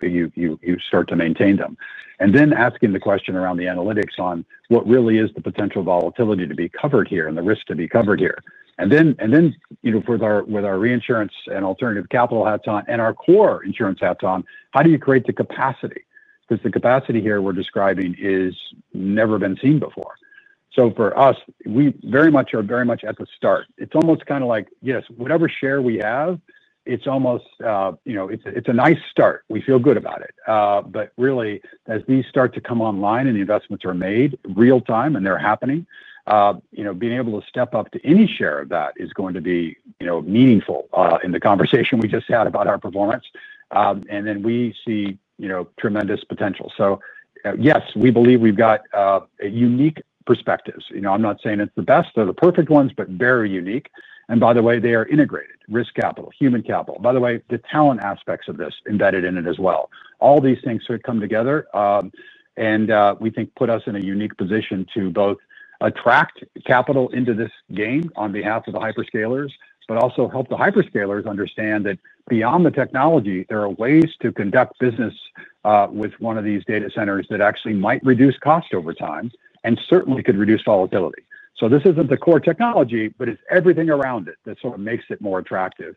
start to maintain them. Then asking the question around the analytics on what really is the potential volatility to be covered here and the risk to be covered here. With our reinsurance and alternative capital hats on and our core insurance hats on, how do you create the capacity? The capacity here we're describing has never been seen before. For us, we very much are very much at the start. It's almost kind of like, yes, whatever share we have, it's almost. It's a nice start. We feel good about it. Really, as these start to come online and the investments are made real-time and they're happening, being able to step up to any share of that is going to be meaningful in the conversation we just had about our performance. We see tremendous potential. Yes, we believe we've got unique perspectives. I'm not saying it's the best or the perfect ones, but very unique. By the way, they are integrated: risk capital, human capital. By the way, the talent aspects of this embedded in it as well. All these things sort of come together. We think put us in a unique position to both attract capital into this game on behalf of the hyperscalers, but also help the hyperscalers understand that beyond the technology, there are ways to conduct business. With one of these data centers that actually might reduce cost over time and certainly could reduce volatility. This isn't the core technology, but it's everything around it that sort of makes it more attractive.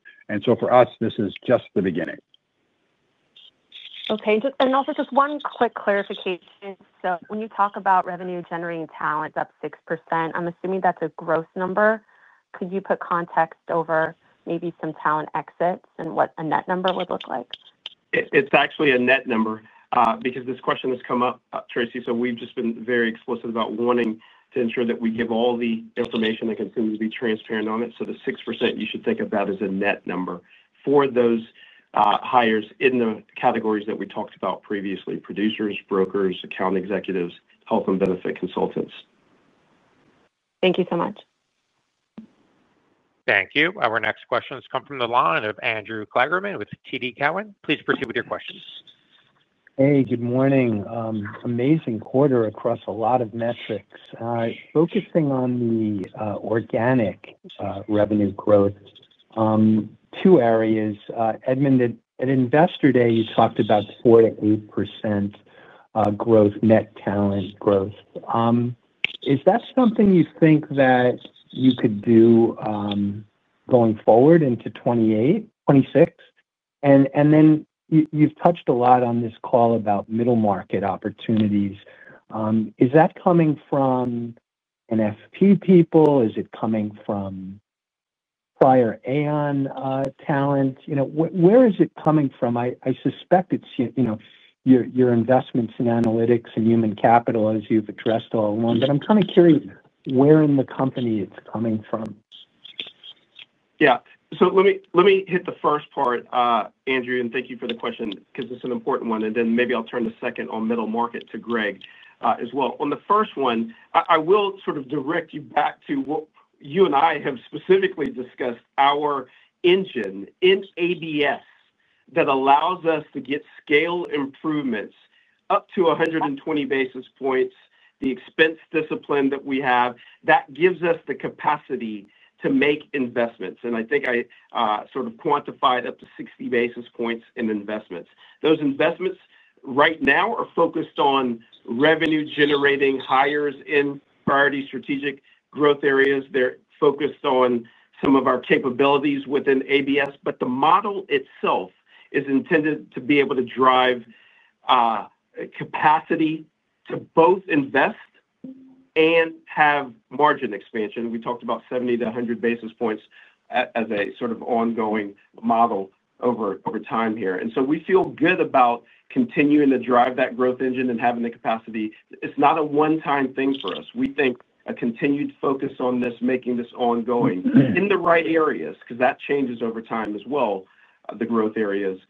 For us, this is just the beginning. Okay. Also just one quick clarification. When you talk about revenue-generating talent up 6%, I'm assuming that's a gross number. Could you put context over maybe some talent exits and what a net number would look like? It's actually a net number because this question has come up, Tracy. We've just been very explicit about wanting to ensure that we give all the information that can seem to be transparent on it. The 6% you should think about is a net number for those hires in the categories that we talked about previously: producers, brokers, account executives, health and benefit consultants. Thank you so much. Thank you. Our next questions come from the line of Andrew Kligerman with TD Cowen. Please proceed with your questions. Hey, good morning. Amazing quarter across a lot of metrics. Focusing on the organic revenue growth. Two areas. Edmund, at investor day, you talked about 4%-8% growth, net talent growth. Is that something you think that you could do going forward into 2026? And then you've touched a lot on this call about middle market opportunities. Is that coming from NFP people? Is it coming from prior Aon talent? Where is it coming from? I suspect it's your investments in analytics and human capital as you've addressed all along. I'm kind of curious where in the company it's coming from. Yeah. Let me hit the first part, Andrew, and thank you for the question because it's an important one. Maybe I'll turn the second on middle market to Greg as well. On the first one, I will sort of direct you back to what you and I have specifically discussed: our engine in ABS that allows us to get scale improvements up to 120 basis points, the expense discipline that we have that gives us the capacity to make investments. I think I sort of quantified up to 60 basis points in investments. Those investments right now are focused on revenue-generating hires in priority strategic growth areas. They're focused on some of our capabilities within ABS. The model itself is intended to be able to drive capacity to both invest and have margin expansion. We talked about 70 basis points-100 basis points as a sort of ongoing model over time here. We feel good about continuing to drive that growth engine and having the capacity. It's not a one-time thing for us. We think a continued focus on this, making this ongoing in the right areas because that changes over time as well, the growth areas.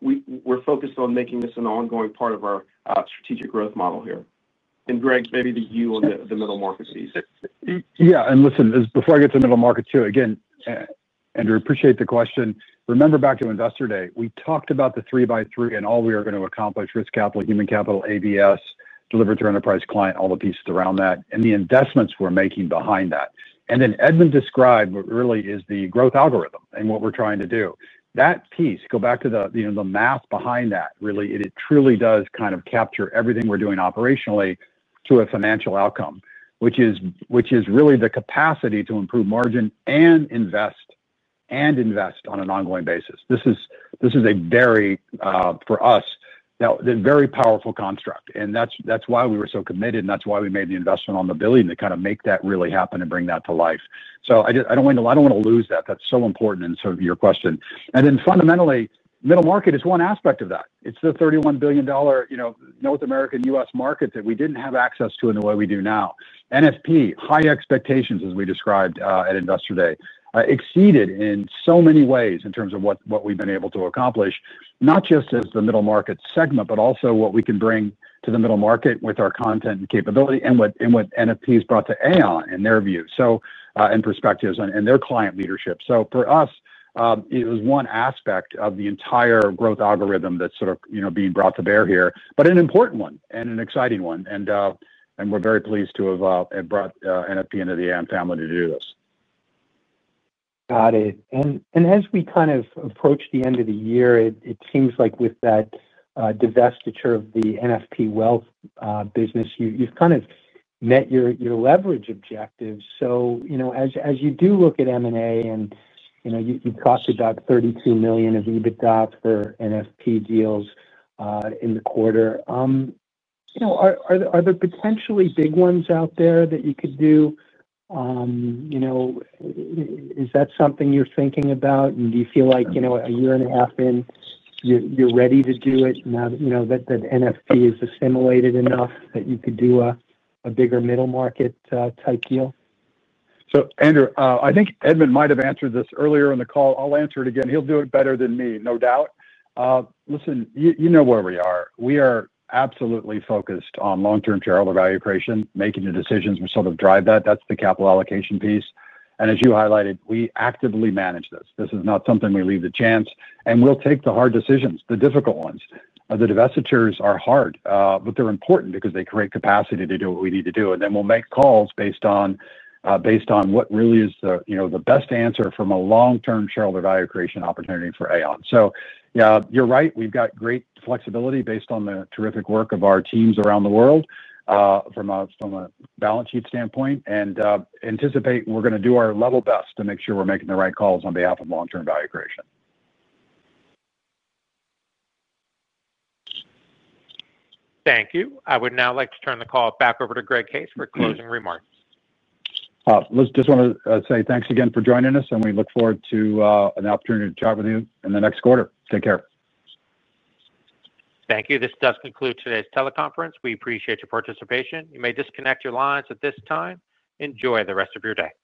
We're focused on making this an ongoing part of our strategic growth model here. Greg, maybe you on the middle market piece. Yeah. Before I get to middle market too, again, Andrew, appreciate the question. Remember back to investor day, we talked about the 3 by 3 plan and all we are going to accomplish: risk capital, human capital, ABS, deliver to enterprise client, all the pieces around that, and the investments we're making behind that. Edmund described what really is the growth algorithm and what we're trying to do. That piece, go back to the math behind that, really, it truly does kind of capture everything we're doing operationally to a financial outcome, which is really the capacity to improve margin and invest on an ongoing basis. This is, for us, a very powerful construct. That's why we were so committed. That's why we made the investment on the $1 billion to kind of make that really happen and bring that to life. I don't want to lose that. That's so important in sort of your question. Fundamentally, middle market is one aspect of that. It's the $31 billion North American U.S. market that we didn't have access to in the way we do now. NFP, high expectations, as we described at investor day, exceeded in so many ways in terms of what we've been able to accomplish, not just as the middle market segment, but also what we can bring to the middle market with our content and capability and what NFP has brought to Aon and their views and perspectives and their client leadership. For us, it was one aspect of the entire growth algorithm that's sort of being brought to bear here, but an important one and an exciting one. We're very pleased to have brought NFP into the Aon family to do this. Got it. As we kind of approach the end of the year, it seems like with that divestiture of the NFP wealth business, you've kind of met your leverage objectives. As you do look at M&A, you talked about $32 million of EBITDA for NFP deals in the quarter. Are there potentially big ones out there that you could do. Is that something you're thinking about? Do you feel like, a year and a half in, you're ready to do it now that NFP is assimilated enough that you could do a bigger middle market type deal? Andrew, I think Edmund might have answered this earlier on the call. I'll answer it again. He'll do it better than me, no doubt. Listen, you know where we are. We are absolutely focused on long-term shareholder value creation, making the decisions which sort of drive that. That's the capital allocation piece. As you highlighted, we actively manage this. This is not something we leave to chance. We'll take the hard decisions, the difficult ones. The divestitures are hard, but they're important because they create capacity to do what we need to do. We'll make calls based on what really is the best answer from a long-term shareholder value creation opportunity for Aon. You're right. We've got great flexibility based on the terrific work of our teams around the world from a balance sheet standpoint. We anticipate we're going to do our level best to make sure we're making the right calls on behalf of long-term value creation. Thank you. I would now like to turn the call back over to Greg Case for closing remarks. Just want to say thanks again for joining us, and we look forward to an opportunity to chat with you in the next quarter. Take care. Thank you. This does conclude today's teleconference. We appreciate your participation. You may disconnect your lines at this time. Enjoy the rest of your day.